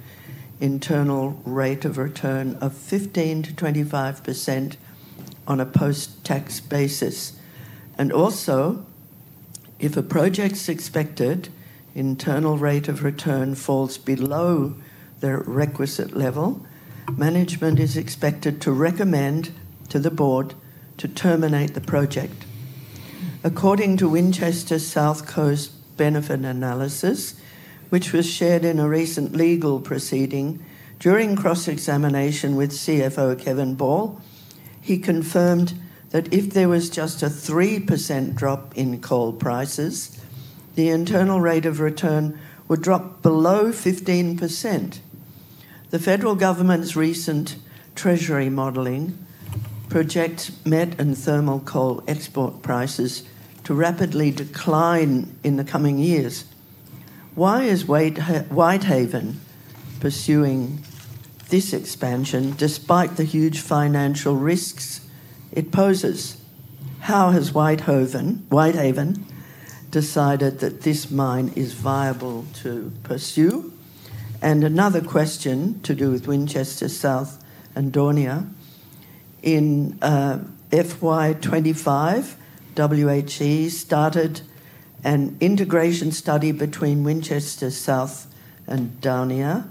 Speaker 6: internal rate of return of 15%-25% on a post-tax basis. Also, if a project's expected internal rate of return falls below the requisite level, management is expected to recommend to the board to terminate the project. According to Winchester South cost benefit analysis, which was shared in a recent legal proceeding, during cross-examination with CFO Kevin Ball, he confirmed that if there was just a 3% drop in coal prices, the internal rate of return would drop below 15%. The federal government's recent Treasury modeling projects metallurgical and thermal coal export prices to rapidly decline in the coming years. Why is Whitehaven pursuing this expansion despite the huge financial risks it poses? How has Whitehaven decided that this new mine is viable to pursue? Another question to do with Winchester South and Daunia. In FY 2025, [WHE] started an integration study between Winchester South and Daunia.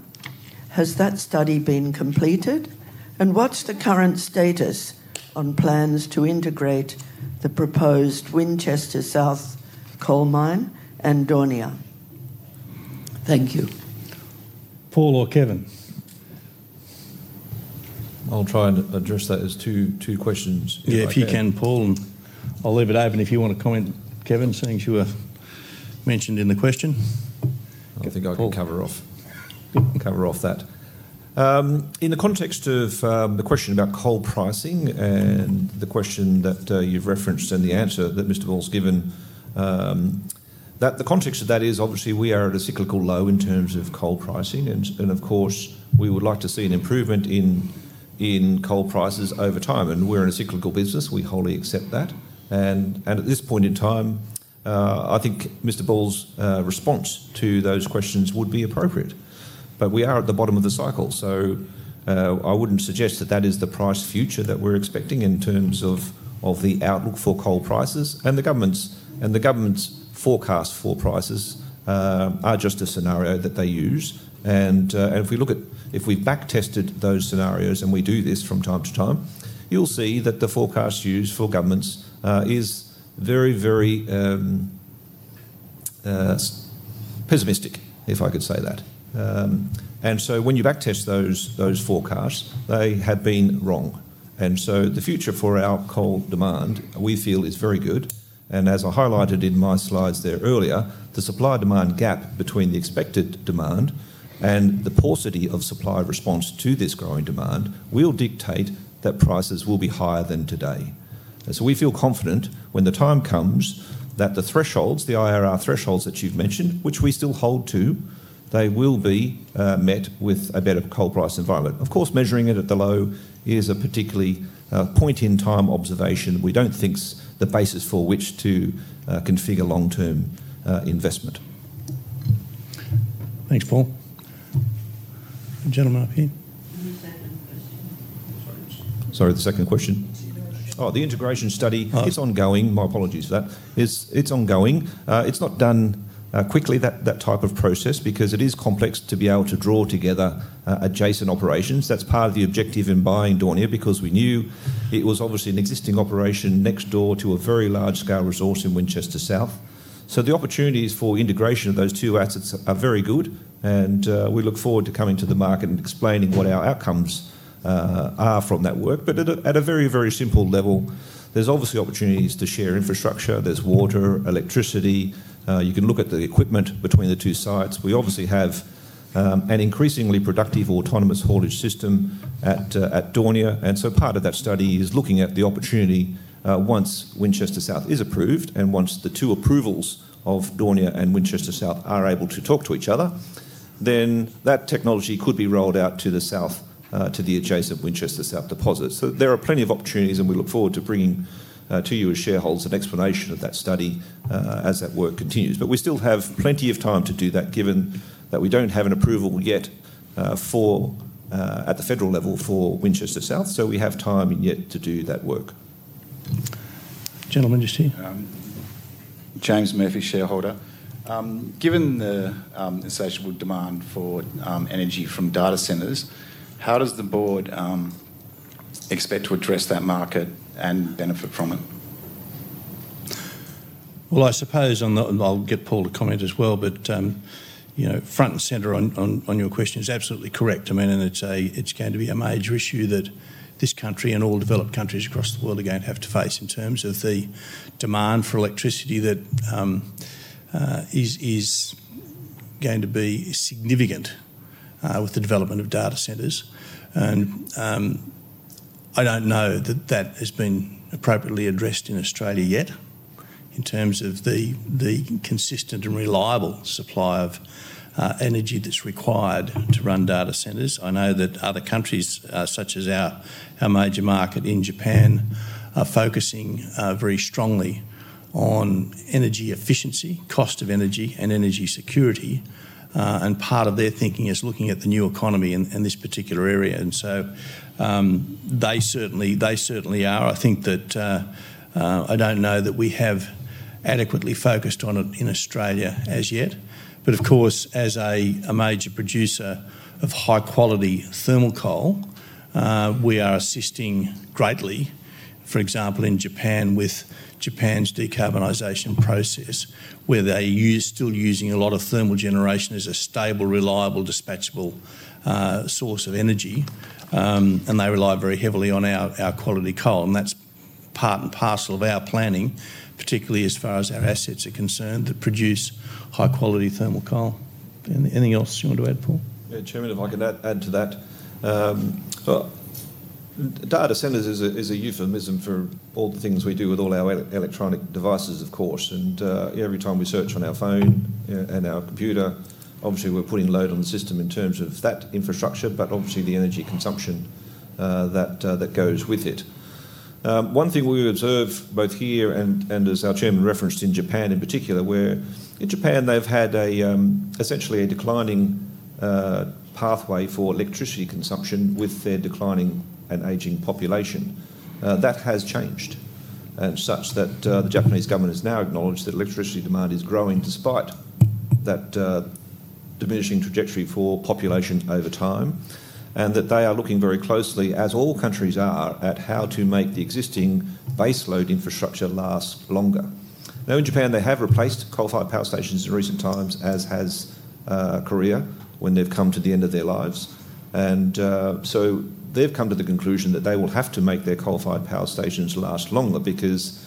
Speaker 6: Has that study been completed, and what's the current status on plans to integrate the proposed Winchester South coal mine and Daunia? Thank you.
Speaker 1: Paul or Kevin.
Speaker 4: I'll try and address that as two questions.
Speaker 1: Yeah, if you can, Paul. I'll leave it open if you want to comment, Kevin. Seeing as you're mentioned in the question.
Speaker 4: I think I can cover off that in the context of the question about coal pricing and the question that you've referenced and the answer that Mr. Ball's given. The context of that is obviously we are at a cyclical low in terms of coal pricing, and of course we would like to see an improvement in coal prices over time. We're in a cyclical business. We wholly accept that. At this point in time, I think Mr. Ball's response to those questions would be appropriate. We are at the bottom of the cycle. I wouldn't suggest that that is the price future that we're expecting in terms of the outlook for coal prices. The government's forecast for prices is just a scenario that they use. If we look at, if we back tested those scenarios, and we do this from time to time, you'll see that the forecast used for governments is very, very pessimistic, if I could say that. When you back test those forecasts, they have been wrong. The future for our coal demand we feel is very good. As I highlighted in my slides there earlier, the supply demand gap between the expected demand and the paucity of supply response to this growing demand will dictate that prices will be higher than today. We feel confident when the time comes that the thresholds, the IRR thresholds that you've mentioned, which we still hold to, they will be met with a better coal price environment. Of course, measuring it at the low is a particular point in time observation. We don't think that's the basis for which to configure long-term investment.
Speaker 1: Thanks, Paul.
Speaker 4: Sorry, the second question. The integration study is ongoing. My apologies for that. It's ongoing. It's not done quickly, that type of process, because it is complex to be able to draw together adjacent operations. That's part of the objective in buying Daunia, because we knew it was obviously an existing operation next door to a very large scale resource in Winchester South. The opportunities for integration of those two assets are very good and we look forward to coming to the market and explaining what our outcomes are from that work. At a very, very simple level, there's obviously opportunities to share infrastructure. There's water, electricity, you can look at the equipment between the two sites. We obviously have an increasingly productive autonomous haulage system at Daunia. Part of that study is looking at the opportunity once Winchester South is approved and once the two approvals of Daunia and Winchester South are able to talk to each other, then that technology could be rolled out to the south, to the adjacent Winchester South deposit. There are plenty of opportunities and we look forward to bringing to you as shareholders an explanation of that study as that work continues. We still have plenty of time to do that given that we don't have an approval yet at the federal level for Winchester South. We have time in yet to do that work.
Speaker 1: Gentlemen, just here.
Speaker 7: James Murphy, shareholder. Given the sociable demand for energy from data centres, how does the board expect to address that market and benefit from it?
Speaker 1: I suppose I'll get Paul to comment as well, but front and center on your question is absolutely, I mean, it's going to be a major issue that this country and all developed countries across the world are going to have to face in terms of the demand for electricity. That is going to be significant with the development of data centres. I don't know that that has been appropriately addressed in Australia yet in terms of the consistent and reliable supply of energy that's required to run data centers. I know that other countries, such as our major market in Japan is focusing very strongly on energy efficiency, cost of energy, and energy security. Part of their thinking is looking at the new economy in this particular area. They certainly are. I think that I don't know that we have adequately focused on it in Australia as yet. Of course, as a major producer of high quality thermal coal, we are assisting greatly, for example, in Japan, with Japan's decarbonisation process, where they are still using a lot of thermal generation as a stable, reliable, dispatchable source of energy. They rely very heavily on our quality coal. That's part and parcel of our planning, particularly as far as our assets are concerned that produce high quality thermal coal. Anything else you want to add, Paul?
Speaker 4: Chairman, if I could add to that. Data centers is a euphemism for all the things we do with all our electronic devices, of course. Every time we search on our phone and our computer, obviously we're putting load on the system in terms of that information infrastructure, but obviously the energy consumption that goes with it. One thing we observe both here and as our Chairman referenced in Japan in particular, where in Japan they've had essentially a declining pathway for electricity consumption with their declining and aging population, that has changed and such that the Japanese government has now acknowledged that electricity demand is growing despite that diminishing trajectory for population over time, and that they are looking very closely as all countries are, at how to make the existing baseload infrastructure last longer. In Japan they have replaced coal fired power stations in recent times, as has Korea when they've come to the end of their lives. They've come to the conclusion that they will have to make their coal fired power stations last longer because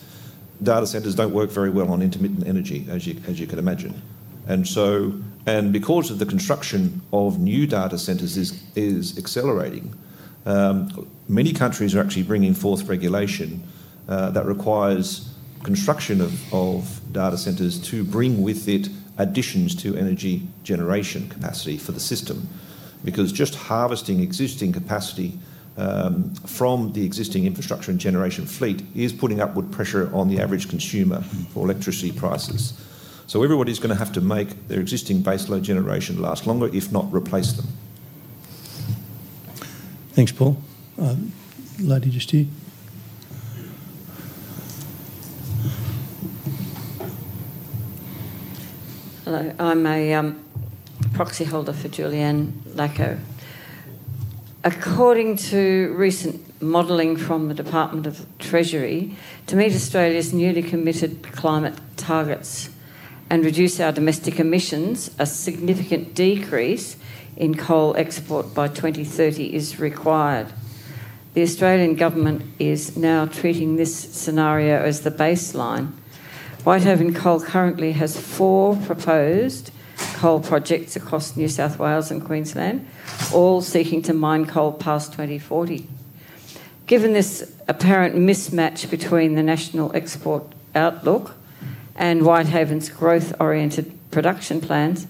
Speaker 4: data centers don't work very well on intermittent energy, as you can imagine. Because the construction of new data centers is accelerating, many countries are actually bringing forth regulation that requires construction of data centers to bring with it additions to energy generation capacity for the system. Just harvesting existing capacity, capacity from the existing infrastructure and generation fleet is putting upward pressure on the average consumer for electricity prices. Everybody's going to have to make their existing baseload generation last longer, if not replace them.
Speaker 1: Thanks, Paul. Lady just here.
Speaker 8: Hello. I'm a proxy holder for Julianne Lacaux. According to recent modelling from the Department of Treasury to meet Australia's newly committed climate targets and reduce our domestic emissions, a significant decrease in coal export by 2030 is required. The Australian Government is now treating this scenario as the baseline. Whitehaven Coal currently has four proposed coal projects across New South Wales and Queensland, all seeking to mine coal past 2040. Given this apparent mismatch between the national export outlook and Whitehaven's growth oriented production plans,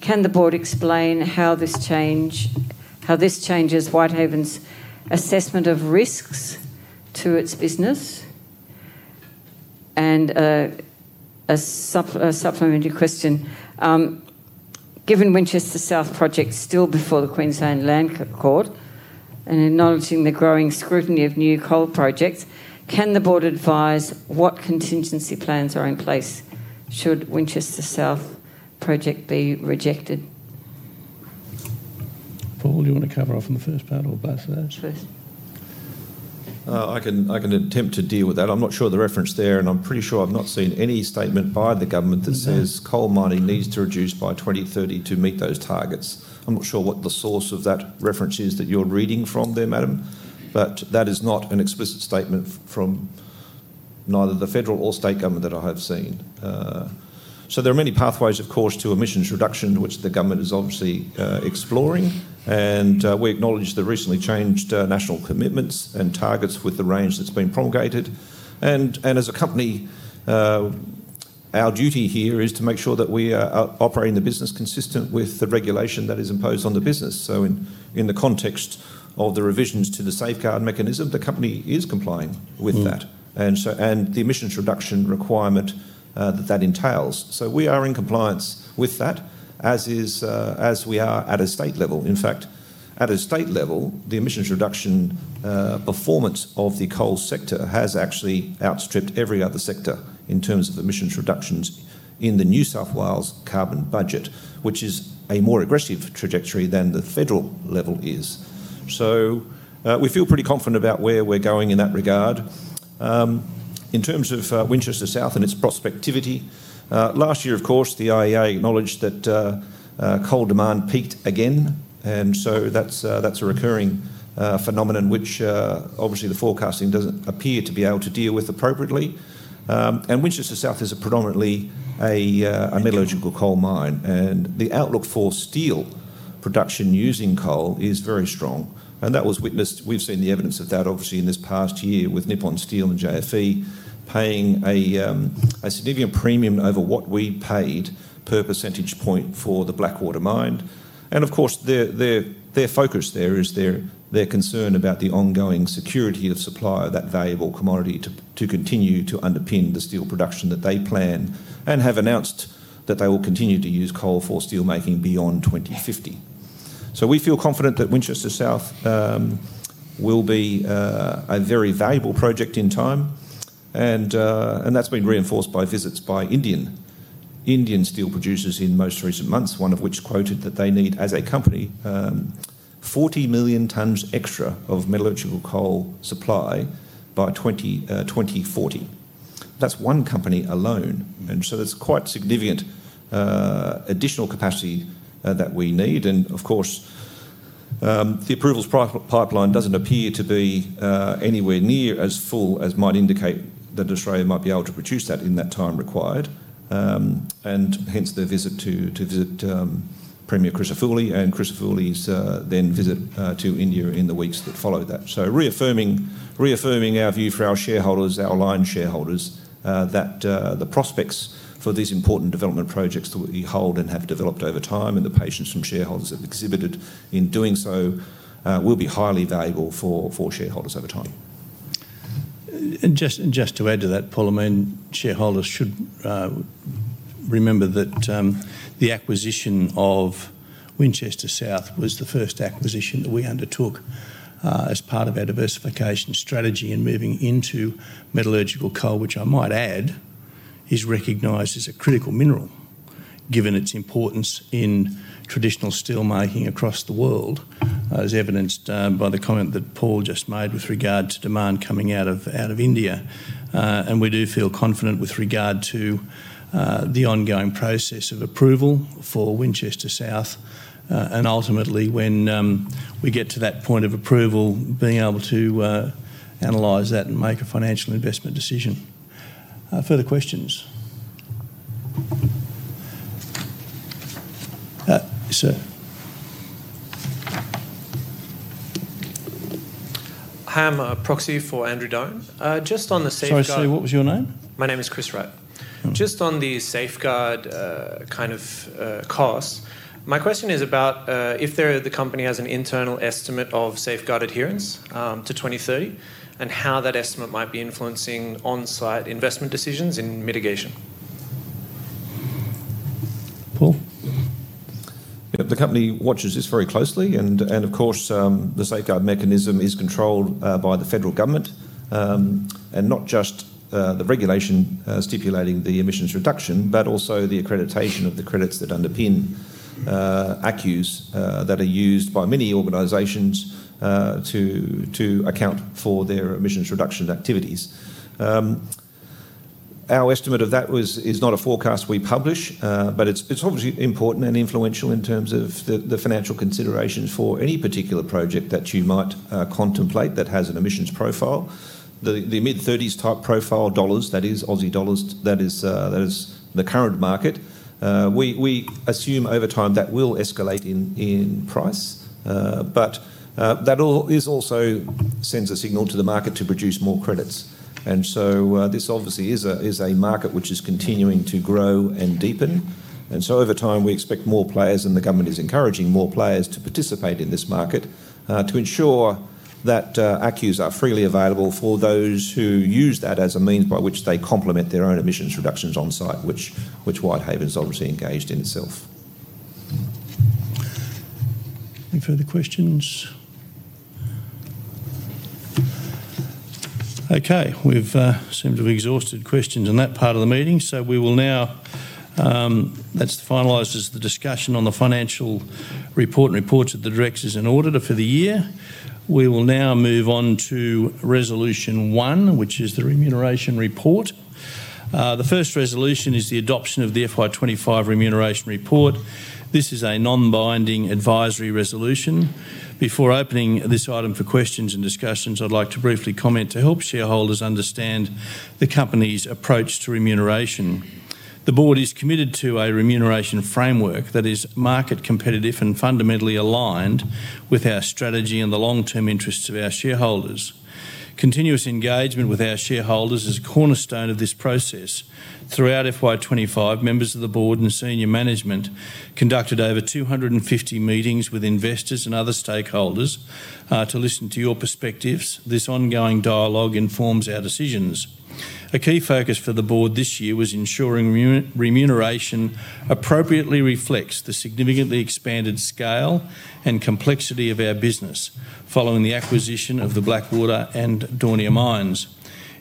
Speaker 8: can the Board explain how this changes Whitehaven's assessment of risk to its business? A supplementary question, given Winchester South project is still before the Queensland Land Court and acknowledging the growing scrutiny of new coal projects, can the Board advise what contingency plans are in place should Winchester South project be rejected?
Speaker 1: Paul, do you want to cover off? On the first part or both of those?
Speaker 4: I can attempt to deal with that. I'm not sure the reference there, and I'm pretty sure I've not seen any statement by the government that says coal mining needs to reduce by 2030 to meet those targets. I'm not sure what the source of that reference is that you're reading from there, madam, but that is not an explicit statement from neither the federal or state government that I have seen. There are many pathways, of course, to emissions reduction which the government is obviously exploring. We acknowledge the recently changed national commitments and targets with the range that's been promulgated. As a company, our duty here is to make sure that we are operating the business consistent with the regulation that is imposed on the business. In the context of the revisions to the Safeguard Mechanism, the company is complying with the regulation and the emissions reduction requirement that that entails. We are in compliance with that as we are at a state level. In fact, at a state level, the emissions reduction performance of the coal sector has actually outstripped every other sector in terms of emissions reductions in the New South Wales carbon budget, which is a more aggressive trajectory than the federal level is. We feel pretty confident about where we're going in that regard. In terms of Winchester South and its prospectivity, last year, of course, the IEA acknowledged that coal demand peaked again. That's a recurring phenomenon which obviously the forecasting doesn't appear to be able to deal with appropriately. Winchester South is predominantly a metallurgical coal mine and the outlook for steel production using coal is very strong. That was witnessed. We've seen the evidence of that obviously in this past year with Nippon Steel and JFE paying a significant premium over what we paid per percentage point for the Blackwater mine. Their focus there is their concern about the ongoing security of supply of that valuable commodity to continue to underpin the steel production that they plan and have announced that they will continue to use coal for steel making beyond 2050. We feel confident that Winchester South will be a very valuable project in time. That's been reinforced by visits by Indian steel producers in most recent months, one of which quoted that they need as a company 40 million tonnes extra of metallurgical coal supply by 2040. That's one company alone. There is quite significant additional capacity that we need. Of course, the approvals pipeline does not appear to be anywhere near as full as might indicate that Australia might be able to produce that in the time required. Hence, the visit to Premier Crisafulli and Crisafulli's then visit to India in the weeks that followed reaffirming our view for our shareholders, our aligned shareholders, that the prospects for these important development projects that we hold and have developed over time, and the patience shareholders have exhibited in doing so, will be highly valuable for shareholders over time.
Speaker 1: Just to add to that, Paul, I mean shareholders should remember that the acquisition of Winchester South was the first acquisition that we undertook as part of our diversification strategy in moving into metallurgical coal, which I might add is recognized as a critical mineral given its importance in traditional steel making across the world, as evidenced by the comment that Paul just made with regard to demand coming out of India. We do feel confident with regard to the ongoing process of approval for Winchester South and ultimately when we get to that point of approval, being able to analyze that and make a financial investment decision. Further questions.
Speaker 9: Hi, I'm a proxy for [Andrew Dawn]. Just on the safeguard.
Speaker 1: Sorry, Sue, what was your name?
Speaker 9: My name is Chris Wright. Just on the safeguard kind of costs. My question is about if the company has an internal estimate of safeguard adherence to 2030 and how that estimate might be influencing on site investment decisions in mitigation.
Speaker 1: Paul,
Speaker 4: The company watches this very closely and of course the Safeguard Mechanism is controlled by the federal government, and not just the regulation stipulating the emissions reduction, but also the accreditation of the credits that underpin ACCUs that are used by many organizations to account for their emissions reduction activities. Our estimate of that is not a forecast we publish, but it's obviously important and influential in terms of the financial considerations for any particular project that you might contemplate that has an emissions profile, the mid-30s type profile dollars, that is Aussie dollars, that is the current market. We assume over time that will escalate in price, but that also sends a signal to the market to produce more credits. This obviously is a market which is continuing to grow and deepen. Over time we expect more players, and the government is encouraging more players to participate in this market to ensure that ACCUs are freely available for those who use that as a means by which they complement their own emissions reductions on site, which Whitehaven's obviously engaged in itself.
Speaker 1: Any further questions? Okay, we've seemed to have exhausted questions in that part of the meeting, so we will now, that's finalized as the discussion on the financial report and reports of the directors and auditor for the year. We will now move on to Resolution 1, which is the remuneration report. The first resolution is the adoption of the FY 2025 remuneration report. This is a non-binding advisory resolution. Before opening this item for questions and discussions, I'd like to briefly comment. To help shareholders understand the company's approach to remuneration, the Board is committed to a remuneration framework that is market competitive and fundamentally aligned with our strategy and the long-term interests of our shareholders. Continuous engagement with our shareholders is a cornerstone of this process. Throughout FY 2025, members of the Board and staff, senior management conducted over 250 meetings with investors and other stakeholders to listen to your perspectives. This ongoing dialogue informs our decisions. A key focus for the Board this year was ensuring remuneration appropriately reflects the significantly expanded scale and complexity of our business following the acquisition of the Blackwater and Daunia mines.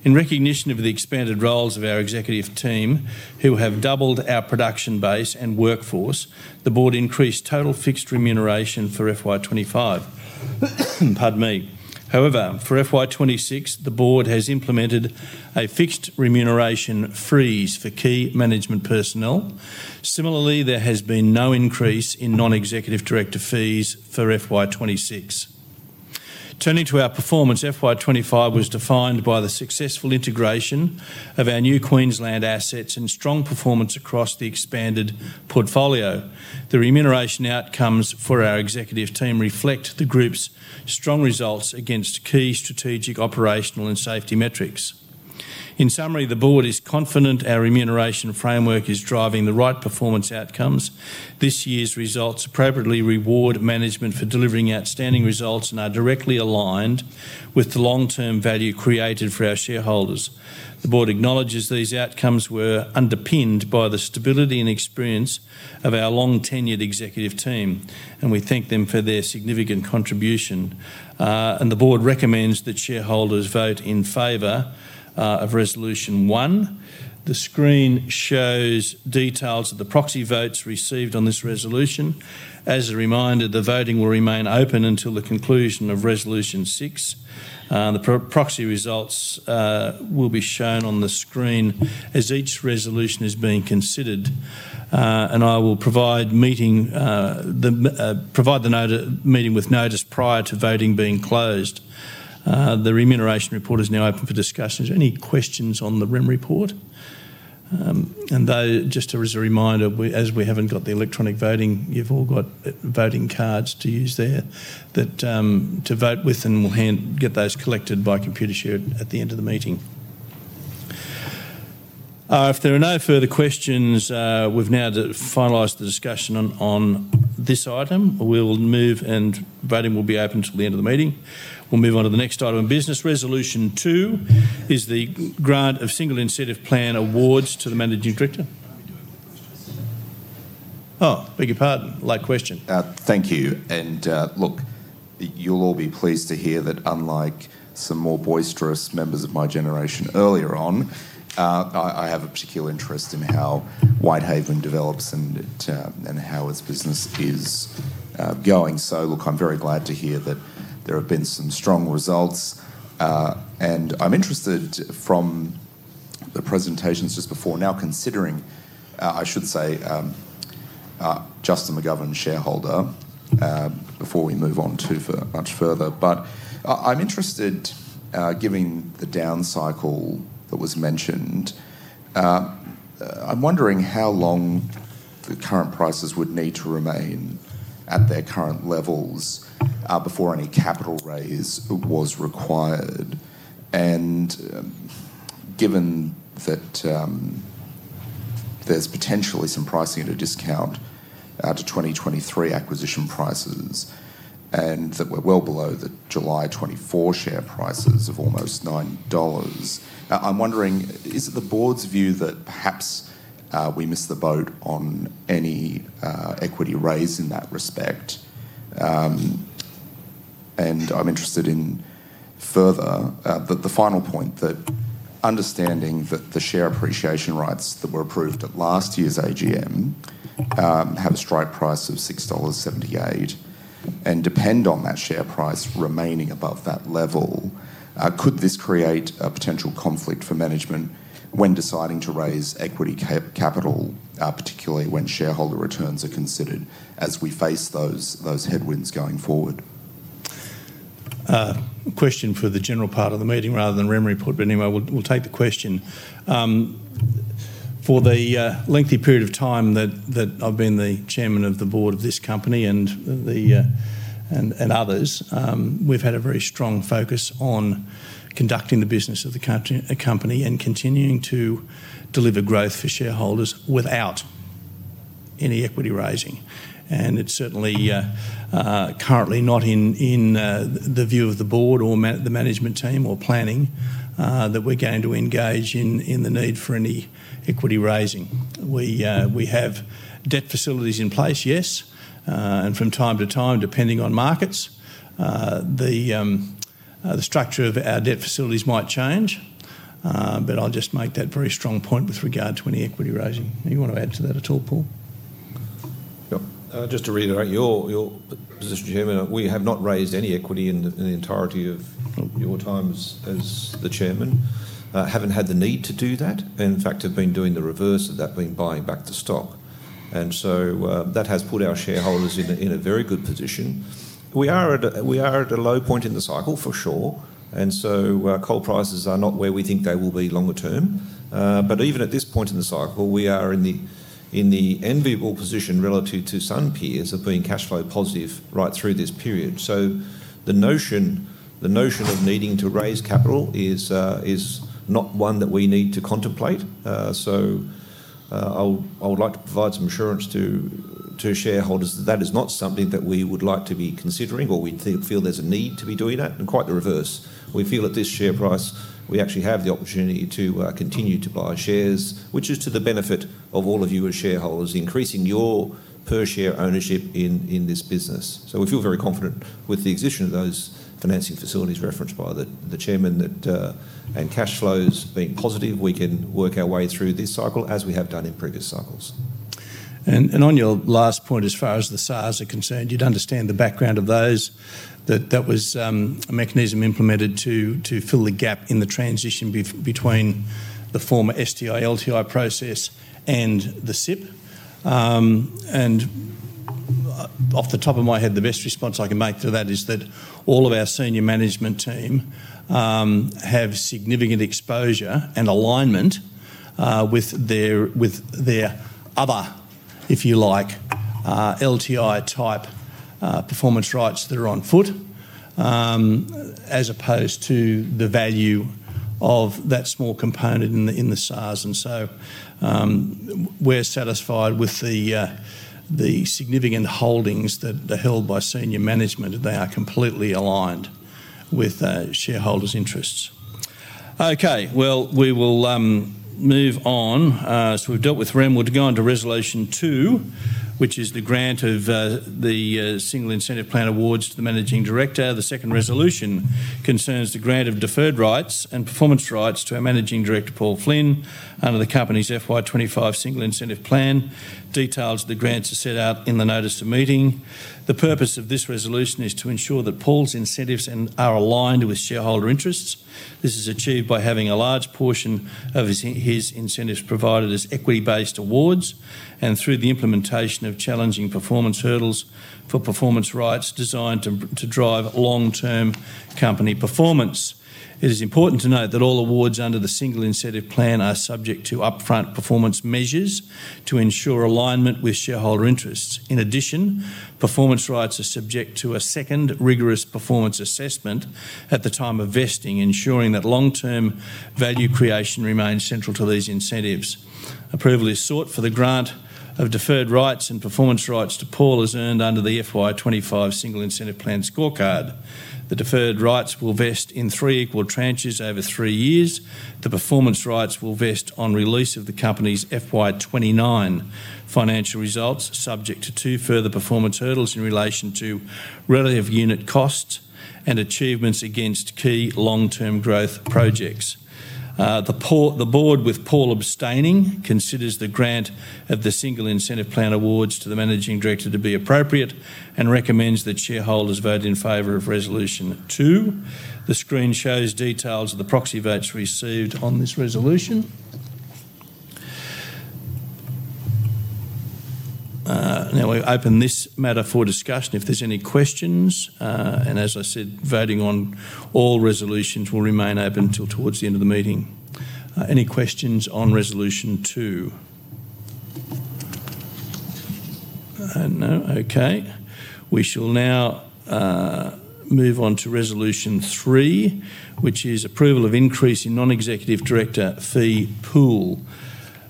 Speaker 1: In recognition of the expanded roles of our executive team, who have doubled our production base and workforce, the Board increased total fixed remuneration for FY 2025. However, for FY 2026, the Board has implemented a fixed remuneration freeze for key management personnel. Similarly, there has been no increase in non-executive director fees for FY 2026. Turning to our performance, FY 2025 was defined by the successful integration of our new Queensland assets and strong performance across the expanded portfolio. The remuneration outcomes for our executive team reflect the group's strong results against key strategic, operational, and safety metrics. In summary, the Board is confident our remuneration framework is driving the right performance outcomes this year. These results appropriately reward management for delivering outstanding results and are directly aligned with the long-term value created for our shareholders. The Board acknowledges these outcomes were underpinned by the stability and experience of our long-tenured executive team, and we thank them for their significant contribution. The Board recommends that shareholders vote in favor of resolution one. The screen shows details of the proxy votes received on this resolution. As a reminder, the voting will remain open until the conclusion of resolution six. The proxy results will be shown on the screen as each resolution is being considered, and I will provide the meeting with notice prior to voting being closed. The remuneration report is now open for discussions. Any questions on the [rem] report? Just as a reminder, as we haven't got the electronic voting, you've all got voting cards to use there to vote with, and we'll get those collected by Computershare at the end of the meeting. If there are no further questions, we've now finalized the discussion on this item. We'll move and voting will be open until the end of the meeting. We'll move on to the next item in Business. Resolution 2 is the grant of Single Incentive Plan awards to the Managing Director. Oh, beg your pardon. Late question.
Speaker 10: Thank you. You'll all be pleased to hear that unlike some more boisterous members of my generation earlier on, I have a particular interest in how Whitehaven develops and how its business is going. I'm very glad to hear that there have been some strong results and I'm interested from the presentations just before now. I should say, Justin McGovern, shareholder, before we move on too much further. I'm interested, given the down cycle that was mentioned, and I'm wondering how long the current prices would need to remain at their current levels before any capital raise was required. Given that there's potentially some pricing at a discount to 2023 acquisition prices and that we're well below the July [2024] share prices of almost $9, I'm wondering, is it the board's view that perhaps we missed the boat on any equity raise in that respect? I'm interested further, the final point, that understanding that the Share Appreciation Rights that were approved at last year's AGM have a strike price of $6 and depend on that share price remaining above that level, could this create a potential conflict for management when deciding to raise equity capital, particularly when shareholder returns are considered as we face those headwinds going forward?
Speaker 1: Question for the general part of the meeting rather than rem report. Anyway, we'll take the question. For the lengthy period of time that I've been the Chairman of the Board of this company and others, we've had a very strong focus on conducting the business of the company and continuing to deliver growth for shareholders without any equity raising. It's certainly currently not in the view of the Board or the management team or planning that we're going to engage in the need for any equity raising. We have debt facilities in place, yes, and from time to time, depending on markets, the structure of our debt facilities might change. I'll just make that very strong point with regard to any equity raising. You want to add to that at all, Paul?
Speaker 4: Just to reiterate your position, Chairman, we have not raised any equity in the entirety of your time as the Chairman. Haven't had the need to do that. In fact, have been doing the reverse of that, being buying back the stock, and that has put our shareholders in a very good position. We are at a low point in the cycle for sure, and coal prices are not where we think they will be longer term. Even at this point in the cycle, we are in the enviable position relative to some peers of being cash flow positive right through this period. The notion of needing to raise capital is not one that we need to contemplate. I would like to provide some assurance to shareholders that that is not something that we would like to be considering or we feel there's a need to be doing. Quite the reverse, we feel at this share price we actually have the opportunity to continue to buy shares, which is to the benefit of all of you as shareholders, increasing your per share ownership in this business. We feel very confident with the existence of those financing facilities referenced by the Chairman and cash flows being positive, we can work our way through this cycle as we have done in previous cycles.
Speaker 1: On your last point, as far. As the SARs are concerned, you'd understand the background of those, that was a mechanism implemented to fill the gap in the transition between the former STI LTI process and the SIP. Off the top of my head, the best response I can make to that is that all of our senior management team have significant exposure and alignment with their other, if you like, LTI type performance rights that are on foot as opposed to the value of that small component in the SARs. We're satisfied with the significant holdings that are held by senior management, they are completely aligned with shareholders' interests. Okay, we will move on. We've dealt with rem. We're going to Resolution 2, which is the grant of the Single Incentive Plan awards to the Managing Director. The second resolution concerns the grant of deferred rights and performance rights to our Managing Director Paul Flynn under the company's FY 2025 Single Incentive Plan. Details of the grants are set out in the notice to meeting. The purpose of this resolution is to ensure that Paul's incentives are aligned with shareholder interests. This is achieved by having a large portion of his incentives provided as equity-based awards and through the implementation of challenging performance hurdles for performance rights designed to drive long-term company performance. It is important to note that all awards under the Single Incentive Plan are subject to upfront performance measures to ensure alignment with shareholder interests. In addition, performance rights are subject to a second rigorous performance assessment at the time of vesting, ensuring that long-term value creation remains central to these incentives. Approval is sought for the grant of deferred rights and performance rights to Paul as earned under the FY 2025 Single Incentive Plan scorecard. The deferred rights will vest in three equal tranches over three years. The performance rights will vest on release of the company's FY 2029 financial results, subject to two further performance hurdles in relation to relative unit cost and achievements against key long-term growth projects. The Board, with Paul abstaining, considers the grant of the Single Incentive Plan awards to the Managing Director to be appropriate and recommends that shareholders vote in favor of Resolution 2. The screen shows details of the proxy votes received on this resolution. Now we open this matter for discussion. If there are any questions. As I said, voting on all resolutions will remain open until towards the end of the meeting. Any questions on Resolution 2? No? Okay, we shall now move on to resolution three, which is approval of increase in non executive director fee pool.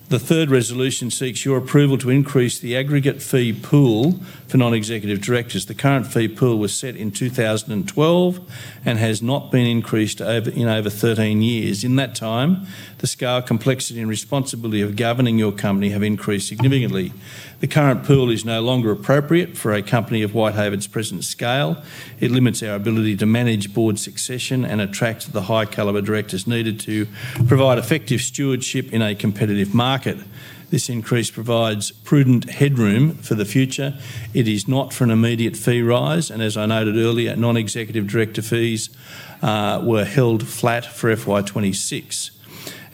Speaker 1: The third resolution seeks your approval to increase the aggregate fee pool for non executive directors. The current fee pool was set in 2012 and has not been increased in over 13 years. In that time, the scale, complexity, and responsibility of governing your company have increased significantly. The current pool is no longer appropriate for a company of Whitehaven's present scale. It limits our ability to manage board security succession and attract the high calibre directors needed to provide effective stewardship in a competitive market. This increase provides prudent headroom for the future. It is not for an immediate fee rise, and as I noted earlier, non executive director fees were held flat for FY 2026.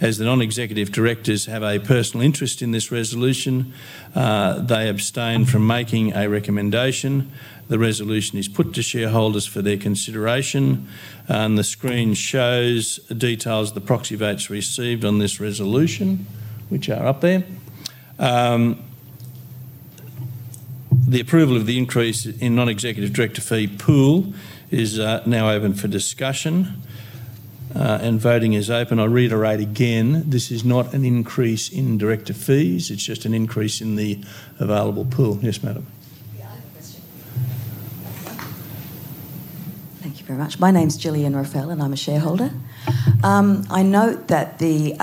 Speaker 1: As the non executive directors have a personal interest in this resolution, they abstain from making a recommendation. The resolution is put to shareholders for their consideration, and the screen shows details the proxy votes received on this resolution which are up there. The approval of the increase in Non Executive Director fee pool is now open for discussion, and voting is open. I'll reiterate again, this is not an increase in director fee, it's just an increase in the available pool. Yes, Madam.
Speaker 11: Thank you very much. My name is Gillian Raphael and I'm a shareholder. I note that the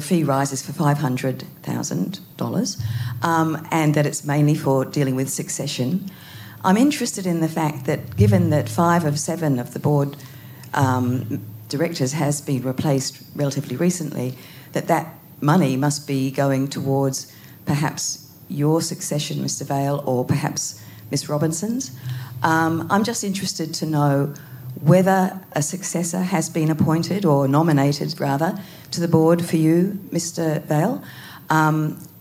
Speaker 11: fee rises for $500,000 and that it's mainly for dealing with succession. I'm interested in the fact that given that five of seven of the board directors has been replaced relatively recently, that that money must be going towards perhaps your succession, Mr. Vaile, or perhaps Ms. Robertson's. I'm just interested to know whether a successor has been appointed or nominated rather to the board for you, Mr. Vaile,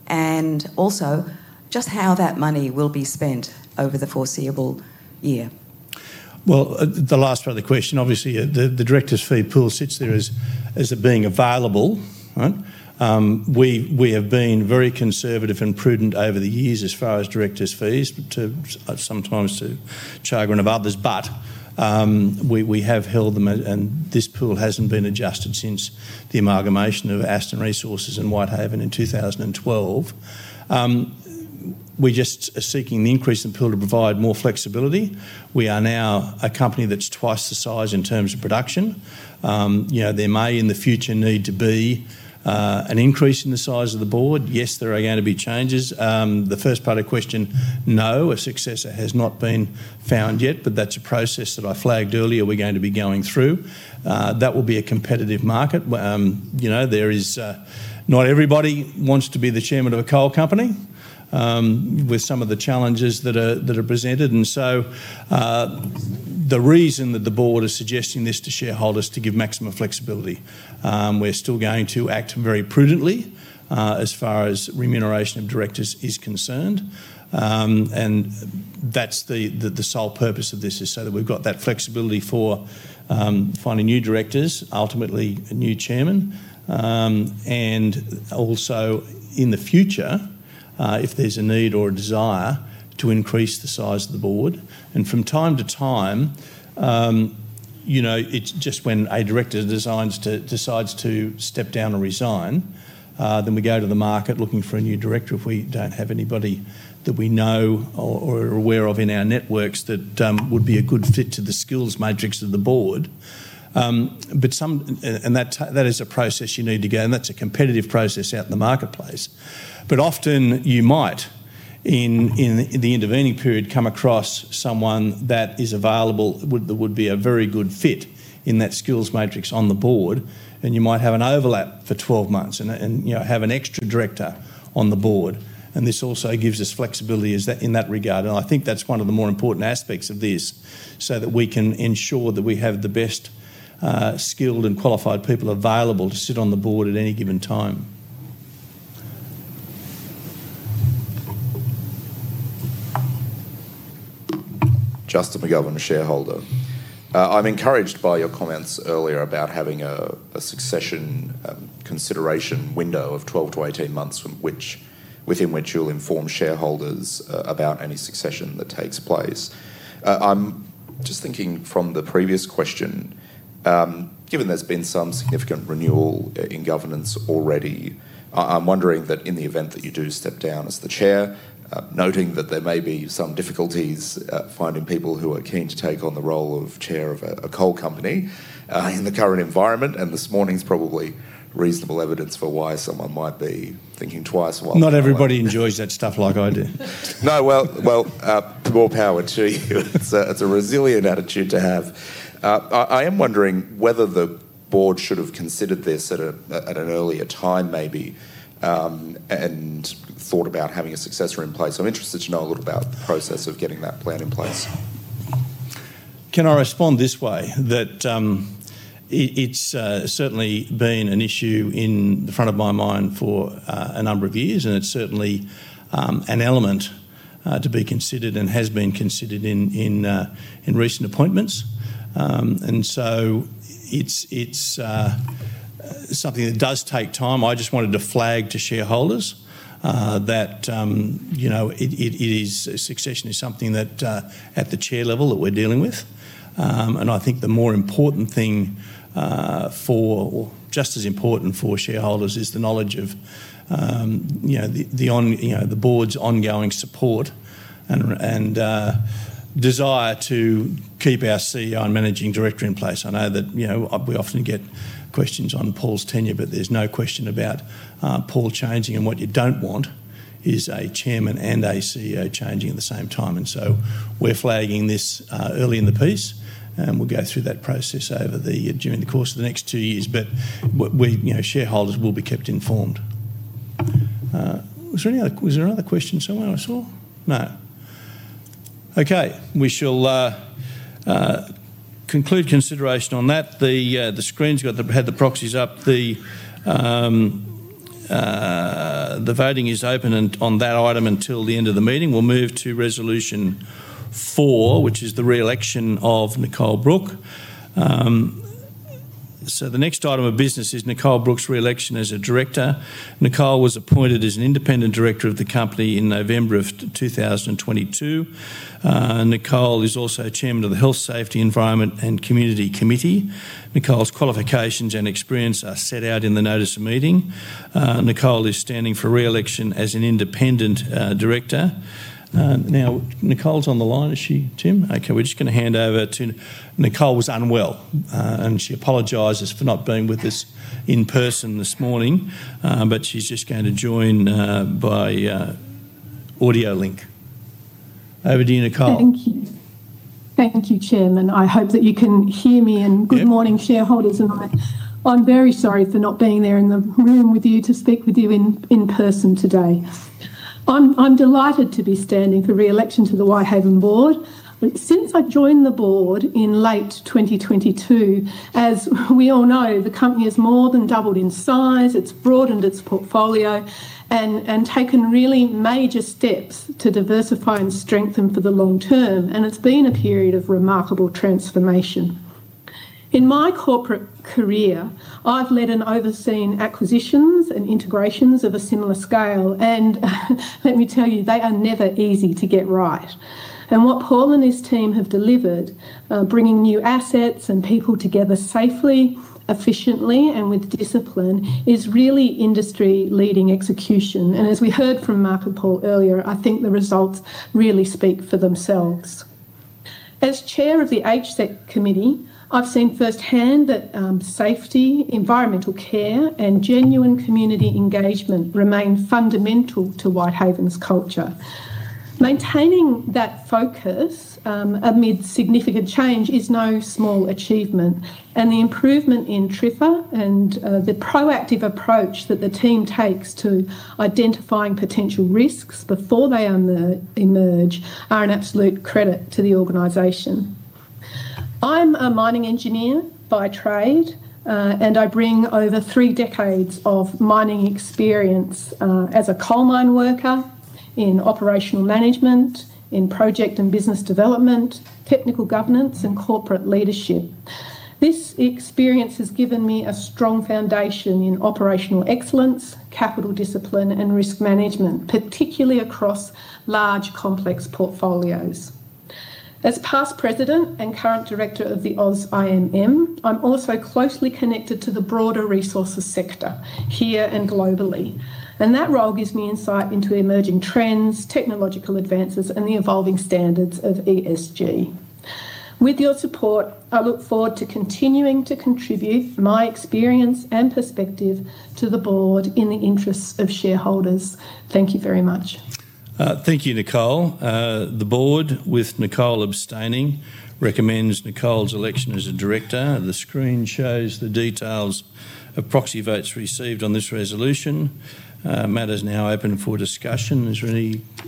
Speaker 11: and also just how that money will be spent over the foreseeable year.
Speaker 1: The last part of the question, obviously the directors' fee pool sits there as it being available. We have been very conservative and prudent over the years as far as directors. Fees, sometimes to chagrin of others, but we have held them. This pool hasn't been adjusted since the amalgamation of Aston Resources and Whitehaven in 2012. We just are seeking the increase in pool to provide more flexibility. We are now a company that's twice the size in terms of production. There may in the future need to be an increase in the size of the board. Yes, there are going to be changes. The first part of the question, no, a successor has not been found yet, but that's a process that I flagged earlier. We're going to be going through that. It will be a competitive market. You know, not everybody wants to be the Chairman of a coal company with some of the challenges that are presented. The reason that the board is suggesting this to shareholders is to give maximum flexibility. We're still going to act very prudently as far as remuneration of directors is concerned. That's the sole purpose of this, so that we've got that flexibility for finding new directors, ultimately a new Chairman. Also, in the future, if there's a need or a desire to increase the size of the board. From time to time, when a director decides to step down and resign, then we go to the market looking for a new director. If we don't have anybody that we know or are aware of in our networks that would be a good fit to the skills matrix of the board, that is a process you need to go through, and that's a competitive process out in the marketplace. Often, you might in the intervening period come across someone that is available that would be a very good fit in that skills matrix on the board, and you might have an overlap for 12 months and have an extra director on the board. This also gives us flexibility in that regard. I think that's one of the more important aspects of this, so that we can ensure that we have the best skilled and qualified people available to sit on the board at any given time.
Speaker 10: Justin McGovern shareholder, I'm encouraged by your comments earlier about having a succession consideration window of 12 to 18 months within which you'll inform shareholders about any succession that takes place. I'm just thinking from the previous question, given there's been some significant renewal in governance already, I'm wondering that in the event that you do step down as the Chair, noting that there may be some difficulties finding people who are keen to take on the role of Chair of a coal company in the current environment. This morning is probably reasonable evidence for why someone might be thinking twice while
Speaker 1: Not everybody enjoys that stuff like I do.
Speaker 10: No. More power to you. It's a resilient attitude to have. I am wondering whether the board should have considered this at an earlier time, maybe, and thought about having a successor in place. I'm interested to know a little about the process of getting that plan in place.
Speaker 1: Can I respond this way, that it's certainly been an issue in the front of my mind for a number of years, and it's certainly an element to be considered and has been considered in recent appointments. It's something that does take time. I just wanted to flag to shareholders that succession is something that at the Chair level we're dealing with, and I think the more important thing for, or just as important for shareholders, is the knowledge of the Board's ongoing support and desire to keep our CEO and Managing Director in place. I know that we often get questions on Paul's tenure, but there's no question about Paul changing. What you don't want is a Chairman and a CEO changing at the same time. We're flagging this early in the piece, and we'll go through that process over the course of the next two years, but shareholders will be kept informed. Was there another question somewhere I saw? No. Okay, we shall conclude consideration on that. The screen's got the proxies up. The voting is open on that item until the end of the meeting. We'll move to resolution four, which is the re-election of Nicole Brook. The next item of business is Nicole Brook's re-election as a Director. Nicole was appointed as an independent Director of the company in November of 2022. Nicole is also Chairman of the Health Safety, Environment and Community Committee. Nicole's qualifications and experience are set out in the notice of meeting. Nicole is standing for re-election as an Independent Director. Now Nicole's on the line, is she, Tim? Okay, we're just going to hand over to. Nicole was unwell, and she apologizes for not being with us in person this morning, she's just going to join by audio link. Over to you, Nicole.
Speaker 12: Thank you. Thank you, Chairman. I hope that you can hear me. Good morning, shareholders. I'm very sorry for not being there in the room with you to speak with you in person today. I'm delighted to be standing for re-election to the Whitehaven board. Since I joined the board in late 2022, as we all know, the company has more than doubled in size. It's broadened its portfolio and taken really major steps to diversify and strengthen for the long term. It's been a period of remarkable transformation in my corporate career. I've led and overseen acquisitions and integrations of a similar scale. Let me tell you, they are never easy to get right. What Paul and his team have delivered, bringing new assets and people together safely, efficiently, and with discipline, is really industry-leading execution. As we heard from Mark and Paul earlier, I think the results really speak for themselves. As Chair of the HSEC Committee, I've seen firsthand that safety, environmental care, and genuine community engagement remain fundamental to Whitehaven's culture. Maintaining that focus amid significant change is no small achievement. The improvement in TRIFR and the proactive approach that the team takes to identifying potential risks before they emerge are an absolute credit to the organization. I'm a mining engineer by trade and I bring over three decades of mining experience as a coal mine worker in operational management, in project and business development, technical governance, and corporate leadership. This experience has given me a strong foundation in operational excellence, capital discipline, and risk management, particularly across large complex portfolios. As past President and current Director of the AusIMM, I'm also closely connected to the broader resources sector here and globally. That role gives me insight into emerging trends, technological advances, and the evolving standards of ESG. With your support, I look forward to continuing to contribute my experience and perspective to the board in the interests of shareholders. Thank you very much.
Speaker 1: Thank you, Nicole. The board, with Nicole abstaining, recommends Nicole's election as a director. The screen shows the details of proxy votes received on this resolution. Matters now open for discussion. Are there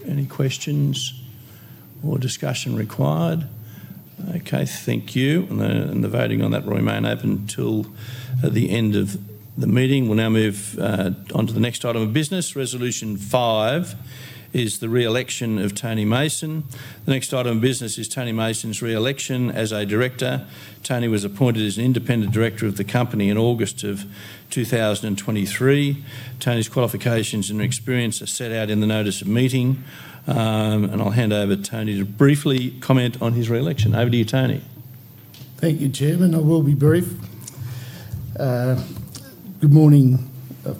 Speaker 1: any questions or discussion required? Okay, thank you. The voting on that will remain open until the end of the meeting. We'll now move onto the next item of business. Resolution 5 is the re-election of Tony Mason. The next item of business is Tony Mason's re-election as a Director. Tony was appointed as an independent Director of the company in August 2023. Tony's qualifications and experience are set out in the notice of meeting. I'll hand over to Tony to briefly comment on his re-election. Over to you, Tony.
Speaker 13: Thank you Chairman. I will be brief. Good morning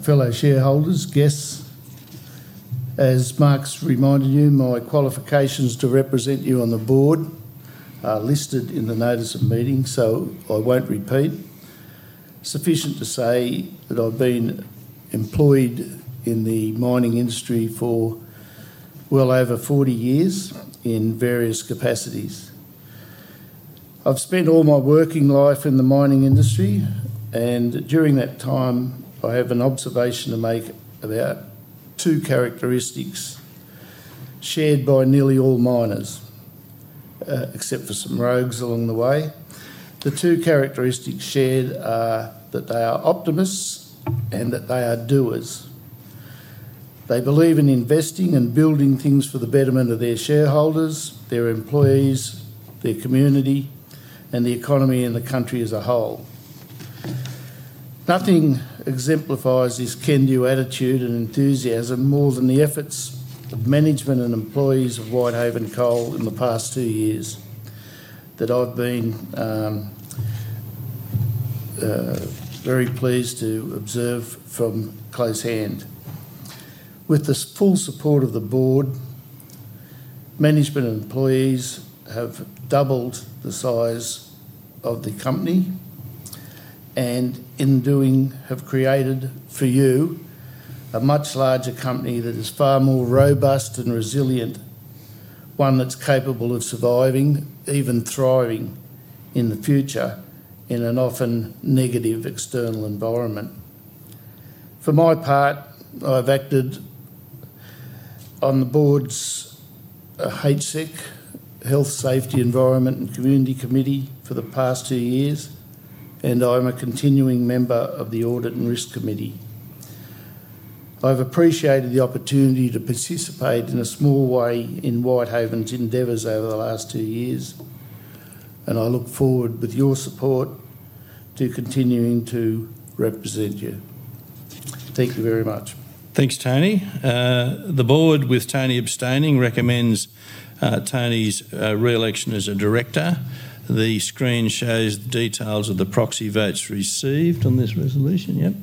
Speaker 13: fellow shareholders, guests. As Mark's reminded you, my qualifications to represent you on the Board are listed in the notice of meeting. I won't repeat, sufficient to say that I've been employed in the mining industry for well over 40 years in various capacities. I've spent all my working life in the mining industry and during that time I have an observation to make about two characteristics shared by nearly all miners, except for some rogues along the way. The two characteristics shared are that they are optimists and that they are doers. They believe in investing and building things for the betterment of their shareholders, their employees, their community, the economy, and the country as a whole. Nothing exemplifies this can-do attitude and enthusiasm more than the efforts of management and employees of Whitehaven Coal in the past two years that I've been very pleased to observe from close hand. With the full support of the Board, management and employees have doubled the size of the company and in doing so have created for you a much larger company that is far more robust and resilient, one that's capable of surviving, even thriving in the future in an often negative external environment. For my part, I have acted on the Board's Health, Safety, Environment and Community Committee for the past two years and I'm a continuing member of the Audit and Risk Committee. I've appreciated the opportunity to participate in a small way in Whitehaven's endeavors over the last two years and I look forward, with your support, to continuing to represent you. Thank you very much.
Speaker 1: Thanks, Tony. The Board, with Tony abstaining, recommends Tony's re-election as a director. The screen shows details of the proxy votes received on this resolution.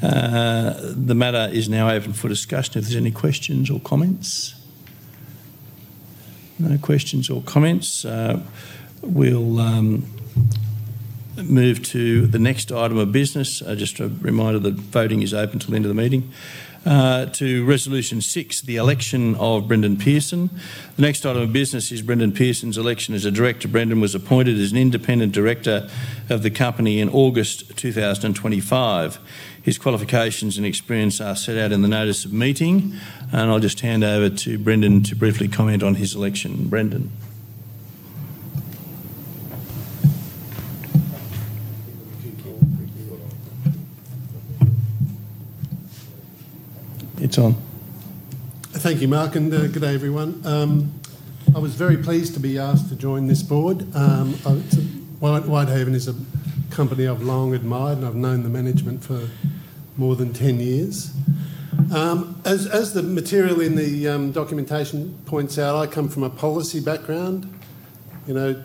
Speaker 1: The matter is now open for discussion. If there's any questions or comments, no questions or comments, we'll. Move to the next item of business. Just a reminder that voting is open till the end of the meeting to Resolution 6, the election of Brendan Pearson. The next item of business is Brendan Pearson's election as a Director. Brendan was appointed as an independent Director of the company in August of 2023. His qualifications and experience are set out in the notice of meeting and I'll just hand over to Brendan to briefly comment on his election, Brendan. It's on.
Speaker 14: Thank you, Mark, and good day everyone. I was very pleased to be asked to join this board. Whitehaven is a company I've long admired and I've known the management for more than 10 years. As the material in the documentation points out, I come from a policy background, you know,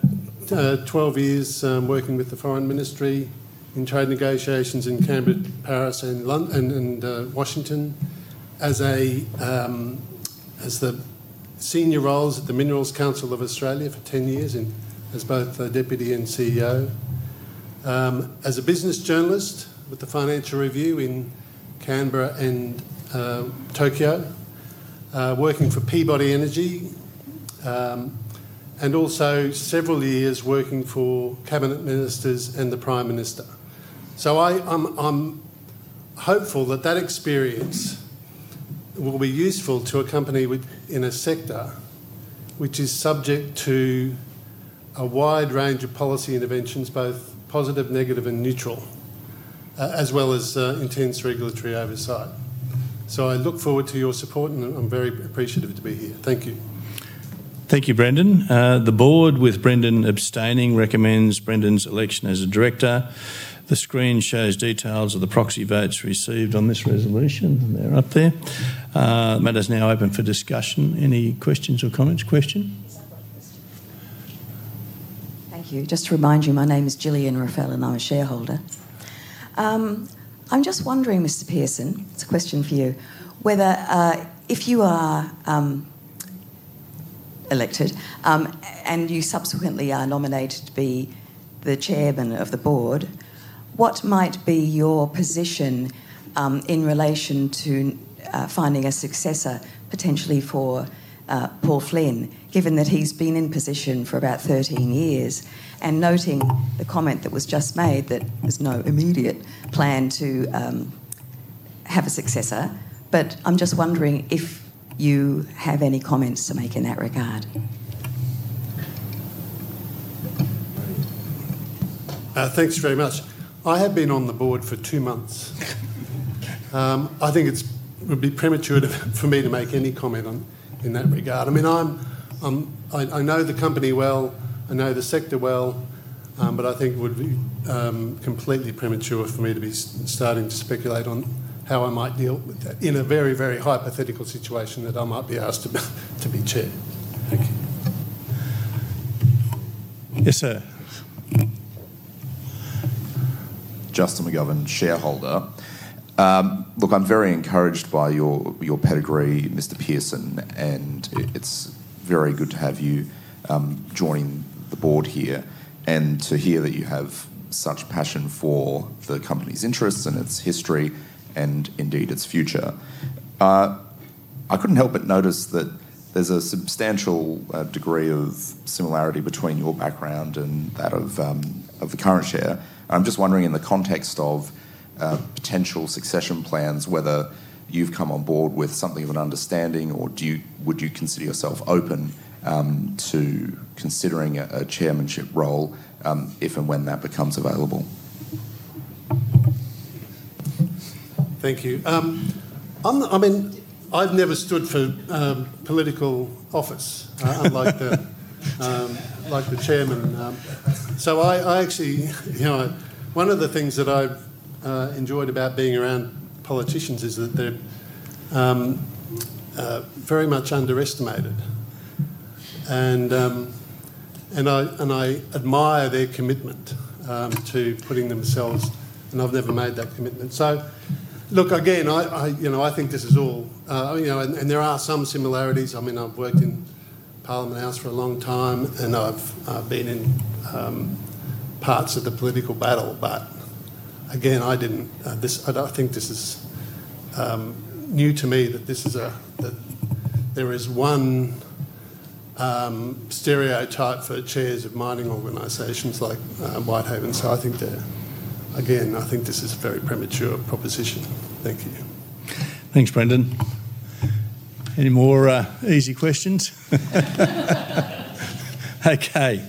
Speaker 14: 12 years working with the Foreign Ministry in trade negotiations in Cambridge, Paris, London, and Washington. As the senior roles at the Minerals Council of Australia for 10 years, as both Deputy and CEO, as a business journalist with the Financial Review in Canberra and Tokyo, working for Peabody Energy, and also several years working for Cabinet ministers and the Prime Minister. I'm hopeful that experience will be useful to a company in a sector which is subject to a wide range of policy interventions, both positive, negative, and neutral, as well as intense regulatory oversight. I look forward to your support and I'm very appreciative to be here. Thank you.
Speaker 1: Thank you, Brendan. The Board, with Brendan abstaining, recommends Brendan's election as a Director. The screen shows details of the proxy votes received on this resolution. They're up there. Matters now. Open for discussion. Any questions or comments? Question?
Speaker 11: Thank you. Just to remind you, my name is Gillian Raphael and I'm a shareholder. I'm just wondering, Mr. Pearson, it's a question for you, whether if you are elected and you subsequently are nominated to be the Chairman of the Board, what might be your position in relation to finding a successor potentially for Paul Flynn, given that he's been in position for about 13 years. Noting the comment that was just made that there's no immediate plan to have a successor, I'm just wondering if you have any comments to make in that regard.
Speaker 14: Thanks very much. I have been on the board for two months. I think it would be premature for me to make any comment in that regard. I know the company well, I know the sector well, but I think it would be completely premature for me to be starting to speculate on how I might deal with that in a very, very hypothetical situation that I might be asked to be Chair.
Speaker 1: Thank you. Yes, sir.
Speaker 10: I'm very encouraged by your pedigree, Mr. Pearson, and it's very good to have you joining the board here and to hear that you have such passion for the company's interests and its history and indeed its future. I couldn't help but notice that there's a substantial degree of similarity between your background and that of the current Chair. I'm just wondering, in the context of potential succession plans, whether you've come on board with something of an understanding or would you consider yourself open to considering a chairmanship role if and when that becomes available?
Speaker 14: Thank you. I mean, I've never stood for political office. Like the Chairman, I actually enjoyed being around politicians because they're very much underestimated, and I admire their commitment to putting themselves forward. I've never made that commitment. I think there are some similarities. I've worked in Parliament House for a long time and I've been in parts of the political battle. I think this is new to me, that there is one stereotype for Chairs of mining organizations like Whitehaven. I think this is a very premature proposition. Thank you.
Speaker 1: Thanks, Brendan. Any more easy questions? Okay,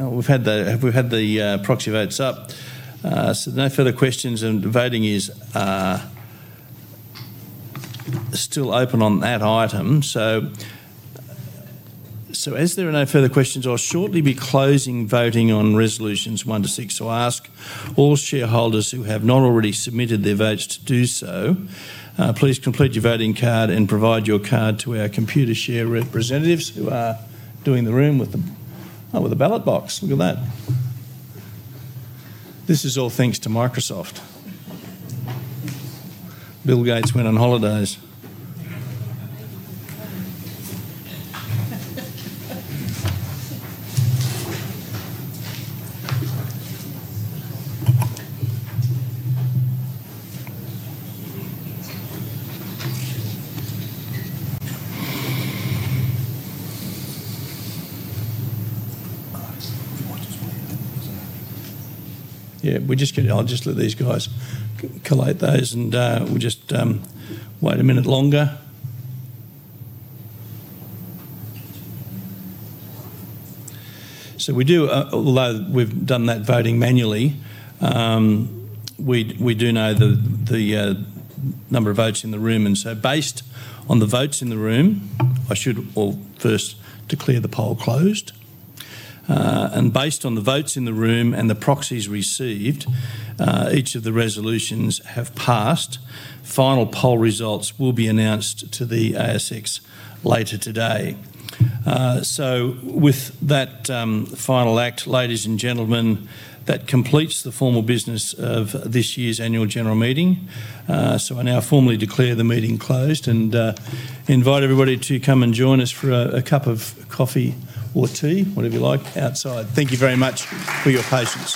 Speaker 1: we've had the proxy votes up, so no further questions and voting is still open on that item. As there are no further questions, I'll shortly be closing voting on resolutions one to six. I ask all shareholders who have not already submitted their votes to do so. Please complete your voting card and provide your card to our Computershare representatives. Who are doing the room with a ballot box. Look at that. This is all thanks to Microsoft. Bill Gates went on holidays. Yeah, we just get. I'll just let these guys collate those, and we'll just wait a minute longer. We do. Although we've done that voting manually. We do know the number of votes in the room, and so based on the votes in. I should first declare the poll closed. Based on the votes in the room and the proxies received, each of the resolutions have passed. Final poll results will be announced to the ASX later today. With that final act, ladies and gentlemen, that completes the formal business of this year's annual general meeting. I now formally declare the meeting closed and invite everybody to come and join us for a cup of coffee. Or tea, whatever you like, outside. Thank you very much for your patience.